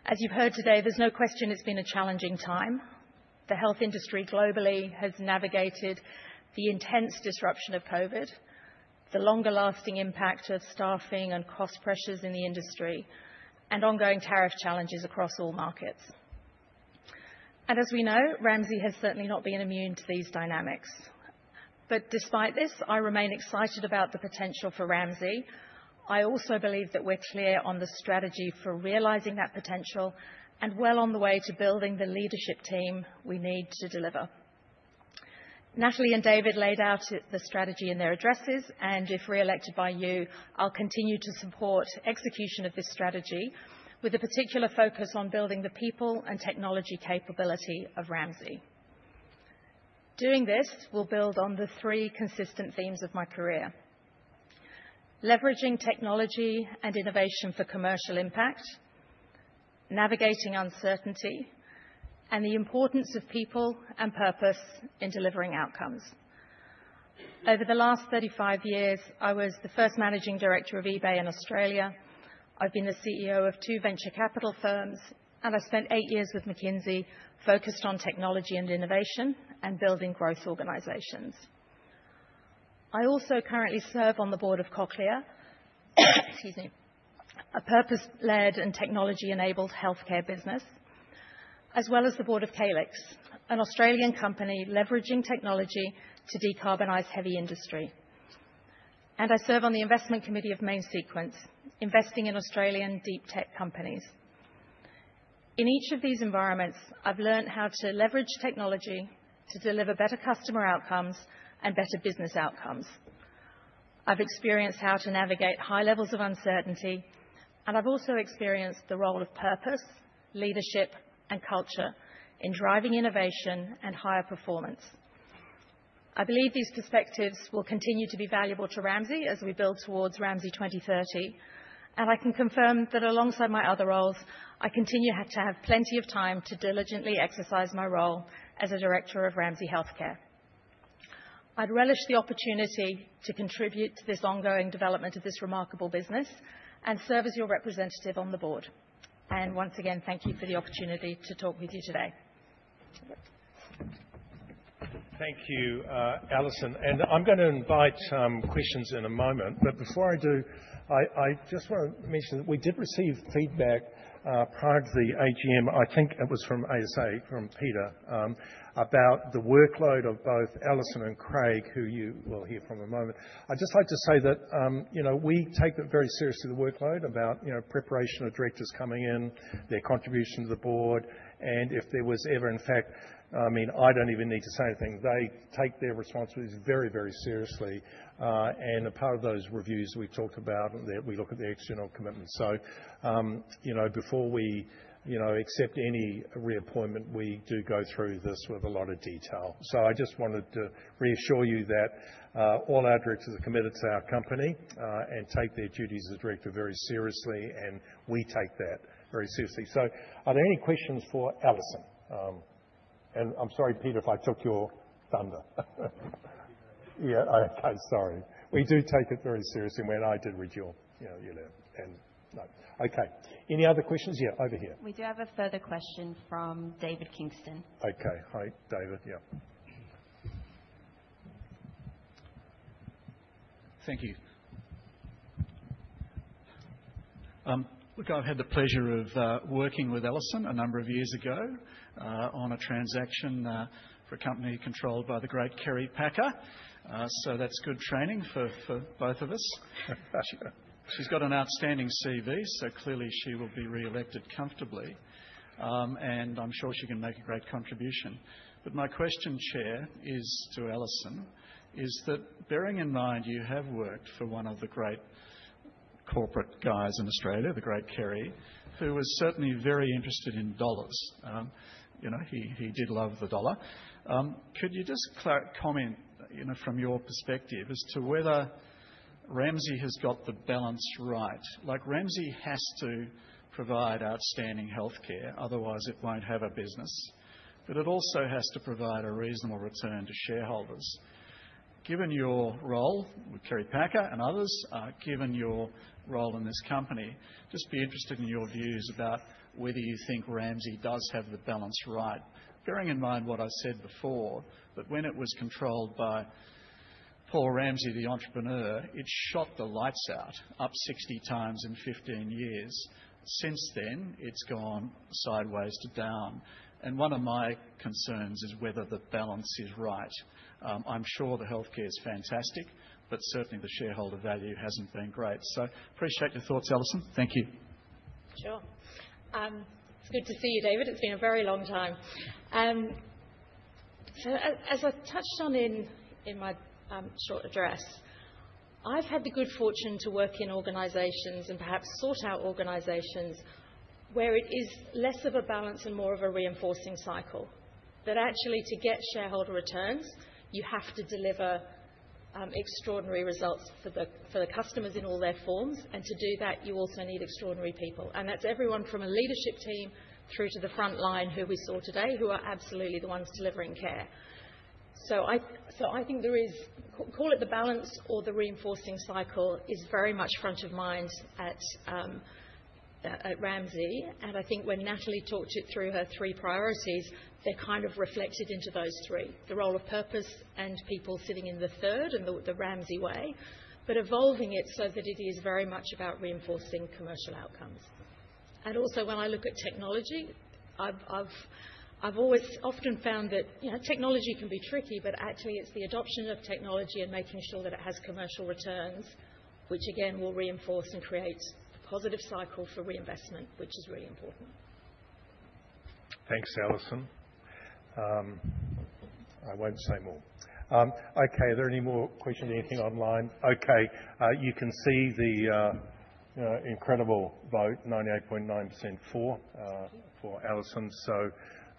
Speaker 15: As you've heard today, there is no question it has been a challenging time. The health industry globally has navigated the intense disruption of COVID, the longer-lasting impact of staffing and cost pressures in the industry, and ongoing tariff challenges across all markets. As we know, Ramsay has certainly not been immune to these dynamics. Despite this, I remain excited about the potential for Ramsay. I also believe that we are clear on the strategy for realizing that potential and well on the way to building the leadership team we need to deliver. Natalie and David laid out the strategy in their addresses, and if reelected by you, I'll continue to support execution of this strategy with a particular focus on building the people and technology capability of Ramsay. Doing this will build on the three consistent themes of my career: leveraging technology and innovation for commercial impact, navigating uncertainty, and the importance of people and purpose in delivering outcomes. Over the last 35 years, I was the first Managing Director of eBay in Australia. I've been the CEO of two venture capital firms, and I spent eight years with McKinsey focused on technology and innovation and building growth organizations. I also currently serve on the board of Cochlear, excuse me, a purpose-led and technology-enabled healthcare business, as well as the board of Kalix, an Australian company leveraging technology to decarbonize heavy industry. I serve on the investment committee of Main Sequence, investing in Australian deep tech companies. In each of these environments, I've learned how to leverage technology to deliver better customer outcomes and better business outcomes. I've experienced how to navigate high levels of uncertainty, and I've also experienced the role of purpose, leadership, and culture in driving innovation and higher performance. I believe these perspectives will continue to be valuable to Ramsay as we build towards Ramsay 2030. I can confirm that alongside my other roles, I continue to have plenty of time to diligently exercise my role as a director of Ramsay Health Care. I'd relish the opportunity to contribute to this ongoing development of this remarkable business and serve as your representative on the board. Once again, thank you for the opportunity to talk with you today.
Speaker 1: Thank you, Allison. I am going to invite some questions in a moment. Before I do, I just want to mention that we did receive feedback prior to the AGM. I think it was from ASA, from Peter, about the workload of both Allison and Craig, who you will hear from in a moment. I would just like to say that we take very seriously the workload about preparation of directors coming in, their contribution to the board. If there was ever, in fact, I mean, I do not even need to say anything. They take their responsibilities very, very seriously. A part of those reviews we talked about is that we look at the external commitments. Before we accept any reappointment, we do go through this with a lot of detail. I just wanted to reassure you that all our directors are committed to our company and take their duties as director very seriously, and we take that very seriously. Are there any questions for Alison? I'm sorry, Peter, if I took your thunder. Yeah. Okay. Sorry. We do take it very seriously when I did with your unit. Okay. Any other questions? Yeah. Over here.
Speaker 2: We do have a further question from David Kingston.
Speaker 1: Okay. Hi, David. Yeah.
Speaker 8: Thank you. Look, I've had the pleasure of working with Alison a number of years ago on a transaction for a company controlled by the great Kerry Packer. That's good training for both of us. She's got an outstanding CV, so clearly she will be reelected comfortably. I'm sure she can make a great contribution. My question, Chair, is to Alison: bearing in mind you have worked for one of the great corporate guys in Australia, the great Kerry, who was certainly very interested in dollars. He did love the dollar. Could you just comment from your perspective as to whether Ramsay has got the balance right? Ramsay has to provide outstanding healthcare, otherwise it won't have a business. It also has to provide a reasonable return to shareholders. Given your role with Kerry Packer and others, given your role in this company, just be interested in your views about whether you think Ramsay does have the balance right. Bearing in mind what I said before, that when it was controlled by Paul Ramsay, the entrepreneur, it shot the lights out, up 60 times in 15 years. Since then, it's gone sideways to down. One of my concerns is whether the balance is right. I'm sure the healthcare is fantastic, but certainly the shareholder value hasn't been great. Appreciate your thoughts, Allison. Thank you.
Speaker 15: Sure. It's good to see you, David. It's been a very long time. As I've touched on in my short address, I've had the good fortune to work in organizations and perhaps sort out organizations where it is less of a balance and more of a reinforcing cycle. That actually, to get shareholder returns, you have to deliver extraordinary results for the customers in all their forms. To do that, you also need extraordinary people. That's everyone from a leadership team through to the front line who we saw today who are absolutely the ones delivering care. I think there is, call it the balance or the reinforcing cycle, very much front of mind at Ramsay. I think when Natalie talked it through her three priorities, they're kind of reflected into those three, the role of purpose and people sitting in the third and the Ramsay way, but evolving it so that it is very much about reinforcing commercial outcomes. Also, when I look at technology, I've always often found that technology can be tricky, but actually it's the adoption of technology and making sure that it has commercial returns, which again will reinforce and create a positive cycle for reinvestment, which is really important.
Speaker 1: Thanks, Allison. I won't say more. Okay. Are there any more questions, anything online? Okay. You can see the incredible vote, 98.9% for Allison.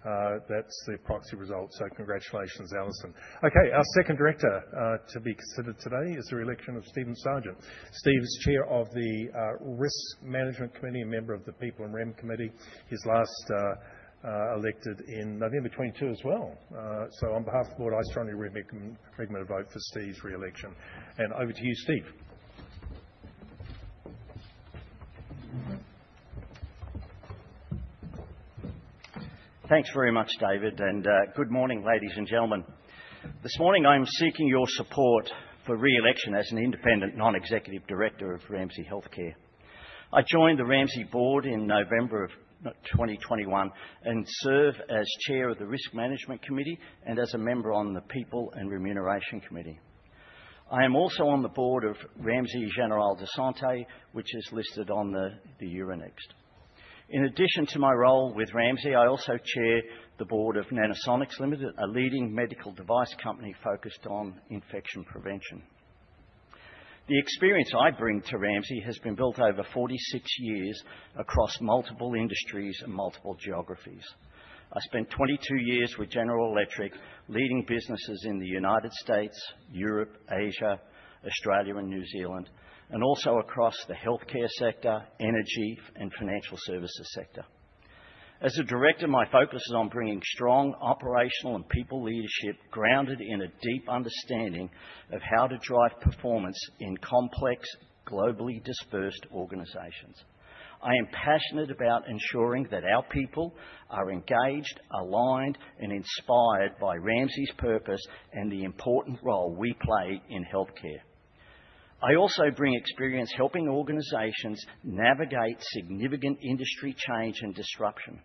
Speaker 1: That's the proxy result. Congratulations, Allison. Our second director to be considered today is the reelection of Steven Sargent. Steve is Chair of the Risk Management Committee and member of the People and REM Committee. He was last elected in November 2022 as well. On behalf of the board, I strongly recommend a vote for Steve's reelection. Over to you, Steve.
Speaker 16: Thanks very much, David. Good morning, ladies and gentlemen. This morning, I'm seeking your support for reelection as an independent non-executive director of Ramsay Health Care. I joined the Ramsay board in November of 2021 and serve as Chair of the Risk Management Committee and as a member on the People and Remuneration Committee. I am also on the board of Ramsay Santé, which is listed on the Euronext. In addition to my role with Ramsay, I also chair the board of Nanasonics Limited, a leading medical device company focused on infection prevention. The experience I bring to Ramsay has been built over 46 years across multiple industries and multiple geographies. I spent 22 years with General Electric, leading businesses in the United States, Europe, Asia, Australia, and New Zealand, and also across the healthcare sector, energy, and financial services sector. As a director, my focus is on bringing strong operational and people leadership grounded in a deep understanding of how to drive performance in complex, globally dispersed organizations. I am passionate about ensuring that our people are engaged, aligned, and inspired by Ramsay's purpose and the important role we play in healthcare. I also bring experience helping organizations navigate significant industry change and disruption,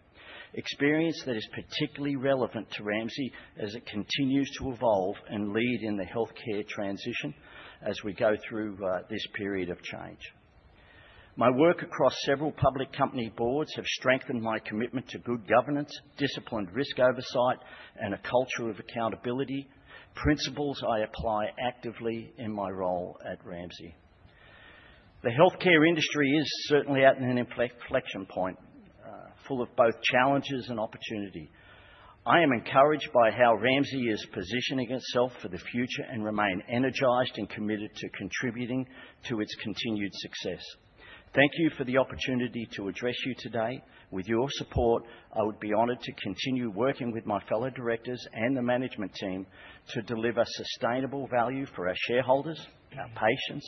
Speaker 16: experience that is particularly relevant to Ramsay as it continues to evolve and lead in the healthcare transition as we go through this period of change. My work across several public company boards has strengthened my commitment to good governance, disciplined risk oversight, and a culture of accountability, principles I apply actively in my role at Ramsay. The healthcare industry is certainly at an inflection point, full of both challenges and opportunity. I am encouraged by how Ramsay is positioning itself for the future and remain energized and committed to contributing to its continued success. Thank you for the opportunity to address you today. With your support, I would be honored to continue working with my fellow directors and the management team to deliver sustainable value for our shareholders, our patients,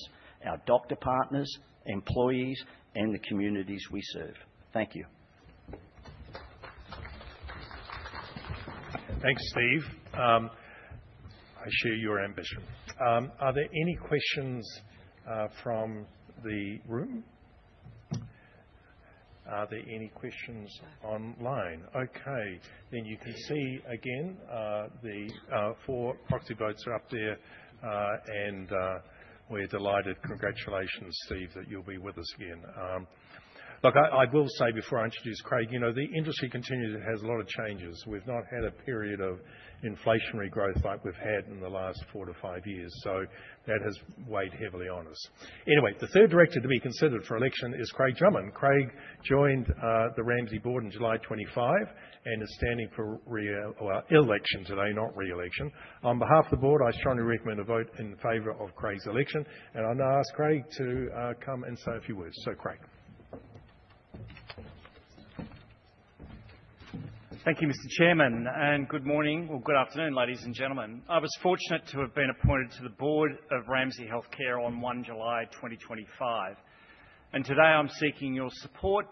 Speaker 16: our doctor partners, employees, and the communities we serve. Thank you.
Speaker 1: Thanks, Steve. I share your ambition. Are there any questions from the room? Are there any questions online? Okay. You can see again, the four proxy votes are up there. We are delighted. Congratulations, Steve, that you'll be with us again. I will say before I introduce Craig, the industry continues to have a lot of changes. We've not had a period of inflationary growth like we've had in the last four to five years. That has weighed heavily on us. Anyway, the third director to be considered for election is Craig Drummond. Craig joined the Ramsay board in July 2025 and is standing for election today, not reelection. On behalf of the board, I strongly recommend a vote in favor of Craig's election. I'm going to ask Craig to come and say a few words. Craig.
Speaker 17: Thank you, Mr. Chairman. Good morning or good afternoon, ladies and gentlemen. I was fortunate to have been appointed to the board of Ramsay Health Care on 1 July 2025. Today, I'm seeking your support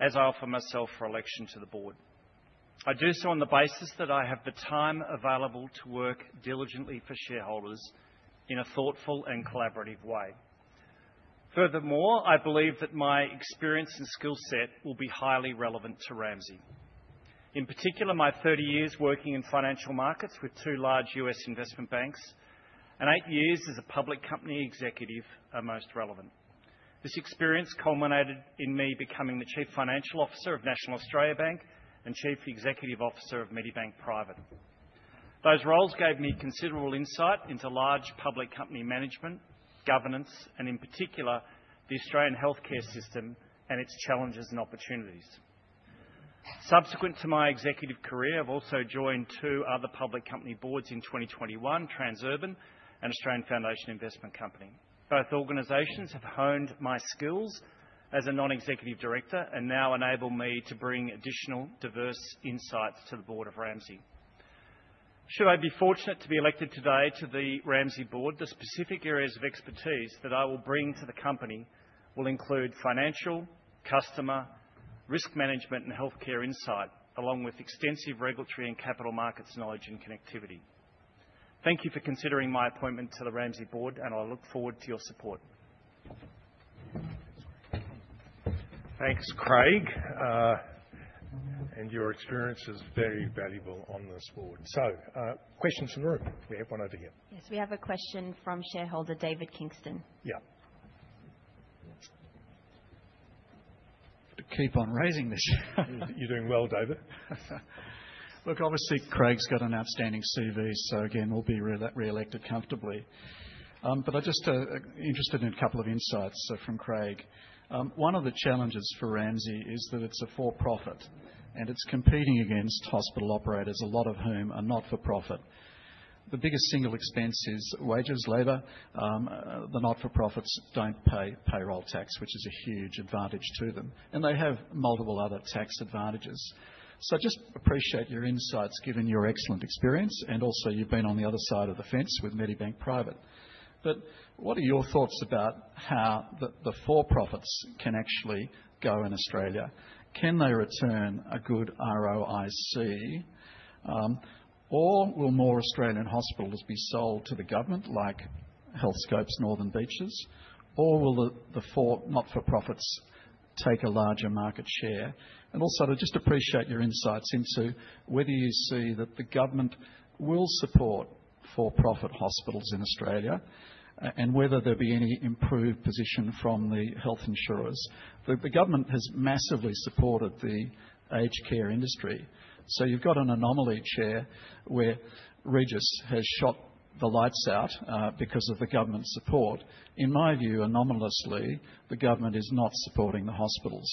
Speaker 17: as I offer myself for election to the board. I do so on the basis that I have the time available to work diligently for shareholders in a thoughtful and collaborative way. Furthermore, I believe that my experience and skill set will be highly relevant to Ramsay. In particular, my 30 years working in financial markets with two large US investment banks and eight years as a public company executive are most relevant. This experience culminated in me becoming the Chief Financial Officer of National Australia Bank and Chief Executive Officer of Medibank Private. Those roles gave me considerable insight into large public company management, governance, and in particular, the Australian healthcare system and its challenges and opportunities. Subsequent to my executive career, I've also joined two other public company boards in 2021, Transurban and Australian Foundation Investment Company. Both organizations have honed my skills as a non-executive director and now enable me to bring additional diverse insights to the board of Ramsay. Should I be fortunate to be elected today to the Ramsay board, the specific areas of expertise that I will bring to the company will include financial, customer, risk management, and healthcare insight, along with extensive regulatory and capital markets knowledge and connectivity. Thank you for considering my appointment to the Ramsay board, and I look forward to your support.
Speaker 1: Thanks, Craig. Your experience is very valuable on this board. Questions in the room? We have one over here.
Speaker 2: Yes. We have a question from shareholder David Kingston.
Speaker 8: Yeah.
Speaker 1: Keep on raising this.
Speaker 8: You're doing well, David. Look, obviously, Craig's got an outstanding CV. So again, we'll be reelected comfortably. I'm just interested in a couple of insights from Craig. One of the challenges for Ramsay is that it's a for-profit, and it's competing against hospital operators, a lot of whom are not-for-profit. The biggest single expense is wages, labor. The not-for-profits don't pay payroll tax, which is a huge advantage to them. They have multiple other tax advantages. I just appreciate your insights given your excellent experience. Also, you've been on the other side of the fence with Medibank Private. What are your thoughts about how the for-profits can actually go in Australia? Can they return a good ROIC? Will more Australian hospitals be sold to the government, like Healthscope's Northern Beaches? Will the not-for-profits take a larger market share? I just appreciate your insights into whether you see that the government will support for-profit hospitals in Australia and whether there will be any improved position from the health insurers. The government has massively supported the aged care industry. You have got an anomaly, Chair, where Regis has shot the lights out because of the government's support. In my view, anomalously, the government is not supporting the hospitals.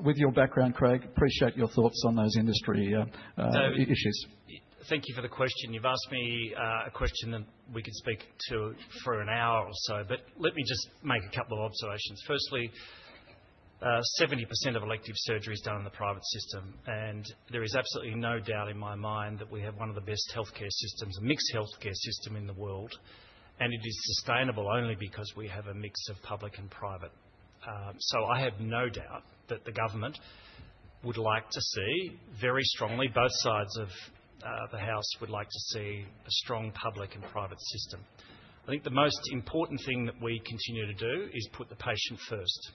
Speaker 8: With your background, Craig, appreciate your thoughts on those industry issues.
Speaker 17: Thank you for the question. You've asked me a question that we could speak to for an hour or so. Let me just make a couple of observations. Firstly, 70% of elective surgery is done in the private system. There is absolutely no doubt in my mind that we have one of the best healthcare systems, a mixed healthcare system in the world. It is sustainable only because we have a mix of public and private. I have no doubt that the government would like to see very strongly, both sides of the House would like to see a strong public and private system. I think the most important thing that we continue to do is put the patient first,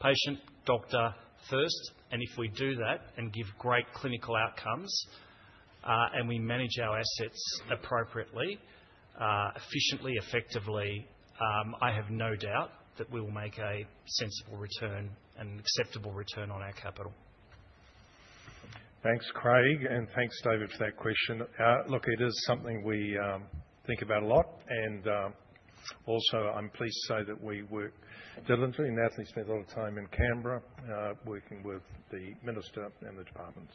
Speaker 17: patient, doctor first. If we do that and give great clinical outcomes and we manage our assets appropriately, efficiently, effectively, I have no doubt that we will make a sensible return and an acceptable return on our capital.
Speaker 1: Thanks, Craig. Thanks, David, for that question. Look, it is something we think about a lot. I am pleased to say that we work diligently. Natalie spent a lot of time in Canberra working with the minister and the department.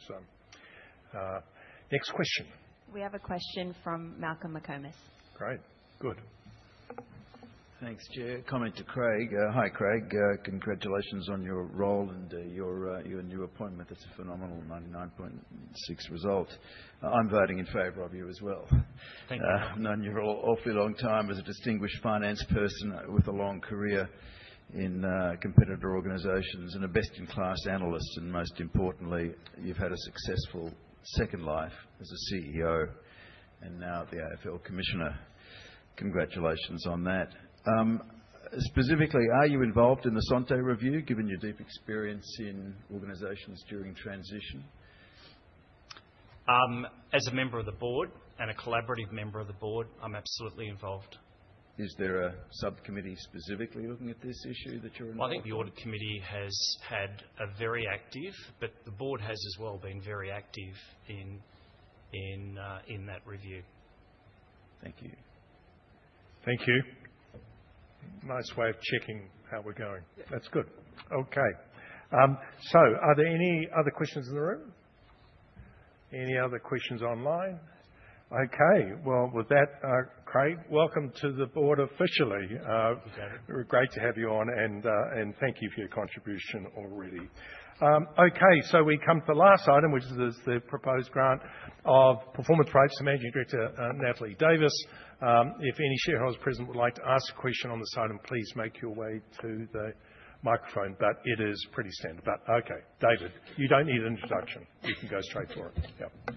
Speaker 1: Next question.
Speaker 2: We have a question from Malcolm McCombs.
Speaker 1: Great. Good.
Speaker 4: Thanks, Chair. Comment to Craig. Hi, Craig. Congratulations on your role and your new appointment. That's a phenomenal 99.6% result. I'm voting in favor of you as well.
Speaker 17: Thank you.
Speaker 4: You've known me for an awfully long time as a distinguished finance person with a long career in competitor organizations and a best-in-class analyst. And most importantly, you've had a successful second life as a CEO and now the AFL Commissioner. Congratulations on that. Specifically, are you involved in the Santé review, given your deep experience in organizations during transition?
Speaker 17: As a member of the board and a collaborative member of the board, I'm absolutely involved.
Speaker 4: Is there a subcommittee specifically looking at this issue that you're involved in?
Speaker 17: I think the Audit Committee has had a very active, but the board has as well been very active in that review.
Speaker 4: Thank you.
Speaker 1: Thank you. Nice way of checking how we're going. That's good. Okay. Are there any other questions in the room? Any other questions online? Okay. With that, Craig, welcome to the board officially. Great to have you on. And thank you for your contribution already. Okay. We come to the last item, which is the proposed grant of performance rights to Managing Director Natalie Davis. If any shareholders present would like to ask a question on this item, please make your way to the microphone. It is pretty standard. Okay, David, you don't need an introduction. You can go straight for it. Yeah.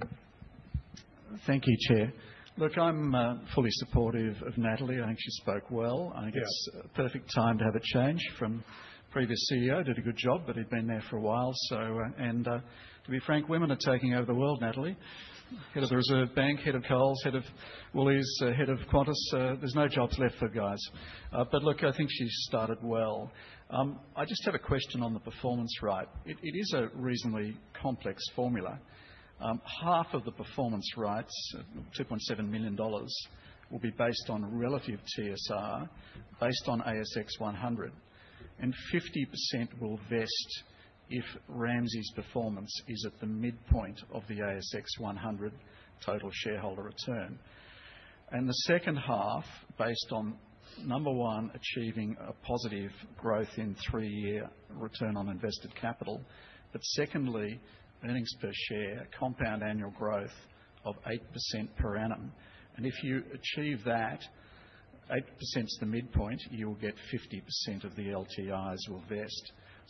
Speaker 8: Thank you, Chair. Look, I'm fully supportive of Natalie. I think she spoke well. I think it's a perfect time to have a change from previous CEO. Did a good job, but he'd been there for a while. To be frank, women are taking over the world, Natalie. Head of the Reserve Bank, head of Coles, head of Woollies, head of Qantas. There's no jobs left for guys. Look, I think she started well. I just have a question on the performance right. It is a reasonably complex formula. Half of the performance rights, 2.7 million dollars, will be based on relative TSR based on ASX 100. 50% will vest if Ramsay's performance is at the midpoint of the ASX 100 total shareholder return. The second half, based on number one, achieving a positive growth in three-year return on invested capital. Secondly, earnings per share, compound annual growth of 8% per annum. If you achieve that, 8% is the midpoint, you will get 50% of the LTIs will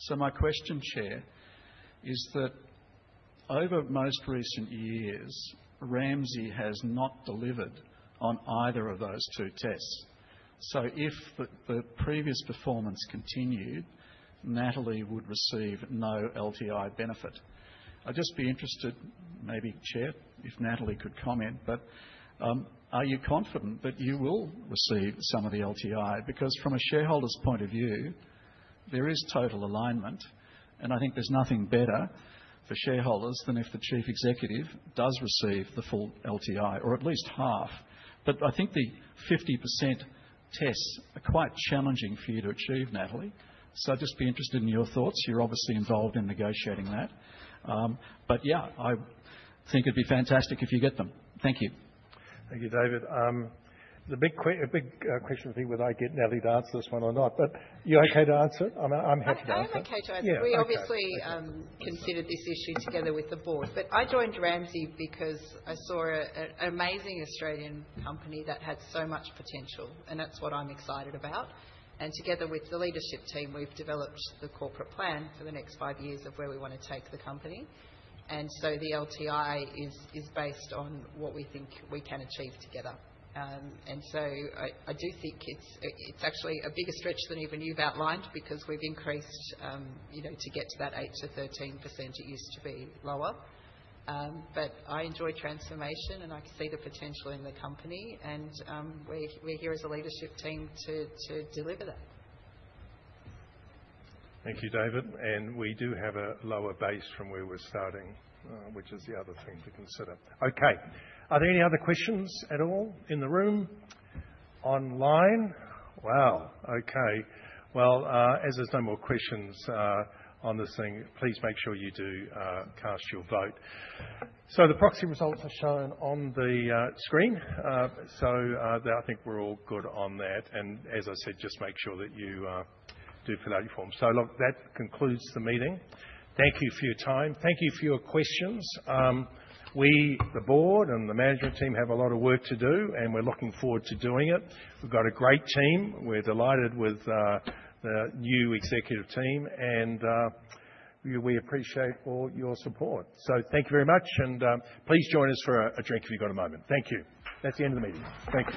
Speaker 8: vest. My question, Chair, is that over most recent years, Ramsay has not delivered on either of those two tests. If the previous performance continued, Natalie would receive no LTI benefit. I'd just be interested, maybe, Chair, if Natalie could comment. Are you confident that you will receive some of the LTI? From a shareholder's point of view, there is total alignment. I think there's nothing better for shareholders than if the chief executive does receive the full LTI, or at least half. I think the 50% tests are quite challenging for you to achieve, Natalie. I'd just be interested in your thoughts. You're obviously involved in negotiating that. Yeah, I think it'd be fantastic if you get them. Thank you.
Speaker 1: Thank you, David. The big question, I think, whether I get Natalie to answer this one or not. You are okay to answer it? I am happy to answer it.
Speaker 3: I am okay to answer it. We obviously considered this issue together with the board. I joined Ramsay because I saw an amazing Australian company that had so much potential. That is what I'm excited about. Together with the leadership team, we've developed the corporate plan for the next five years of where we want to take the company. The LTI is based on what we think we can achieve together. I do think it's actually a bigger stretch than even you've outlined because we've increased to get to that 8-13%. It used to be lower. I enjoy transformation, and I see the potential in the company. We are here as a leadership team to deliver that.
Speaker 1: Thank you, David. We do have a lower base from where we're starting, which is the other thing to consider. Okay. Are there any other questions at all in the room? Online? Wow. Okay. As there's no more questions on this thing, please make sure you do cast your vote. The proxy results are shown on the screen. I think we're all good on that. As I said, just make sure that you do fill out your forms. That concludes the meeting. Thank you for your time. Thank you for your questions. We, the board and the management team, have a lot of work to do, and we're looking forward to doing it. We've got a great team. We're delighted with the new executive team. We appreciate all your support. Thank you very much. Please join us for a drink if you've got a moment. Thank you. That's the end of the meeting. Thank you.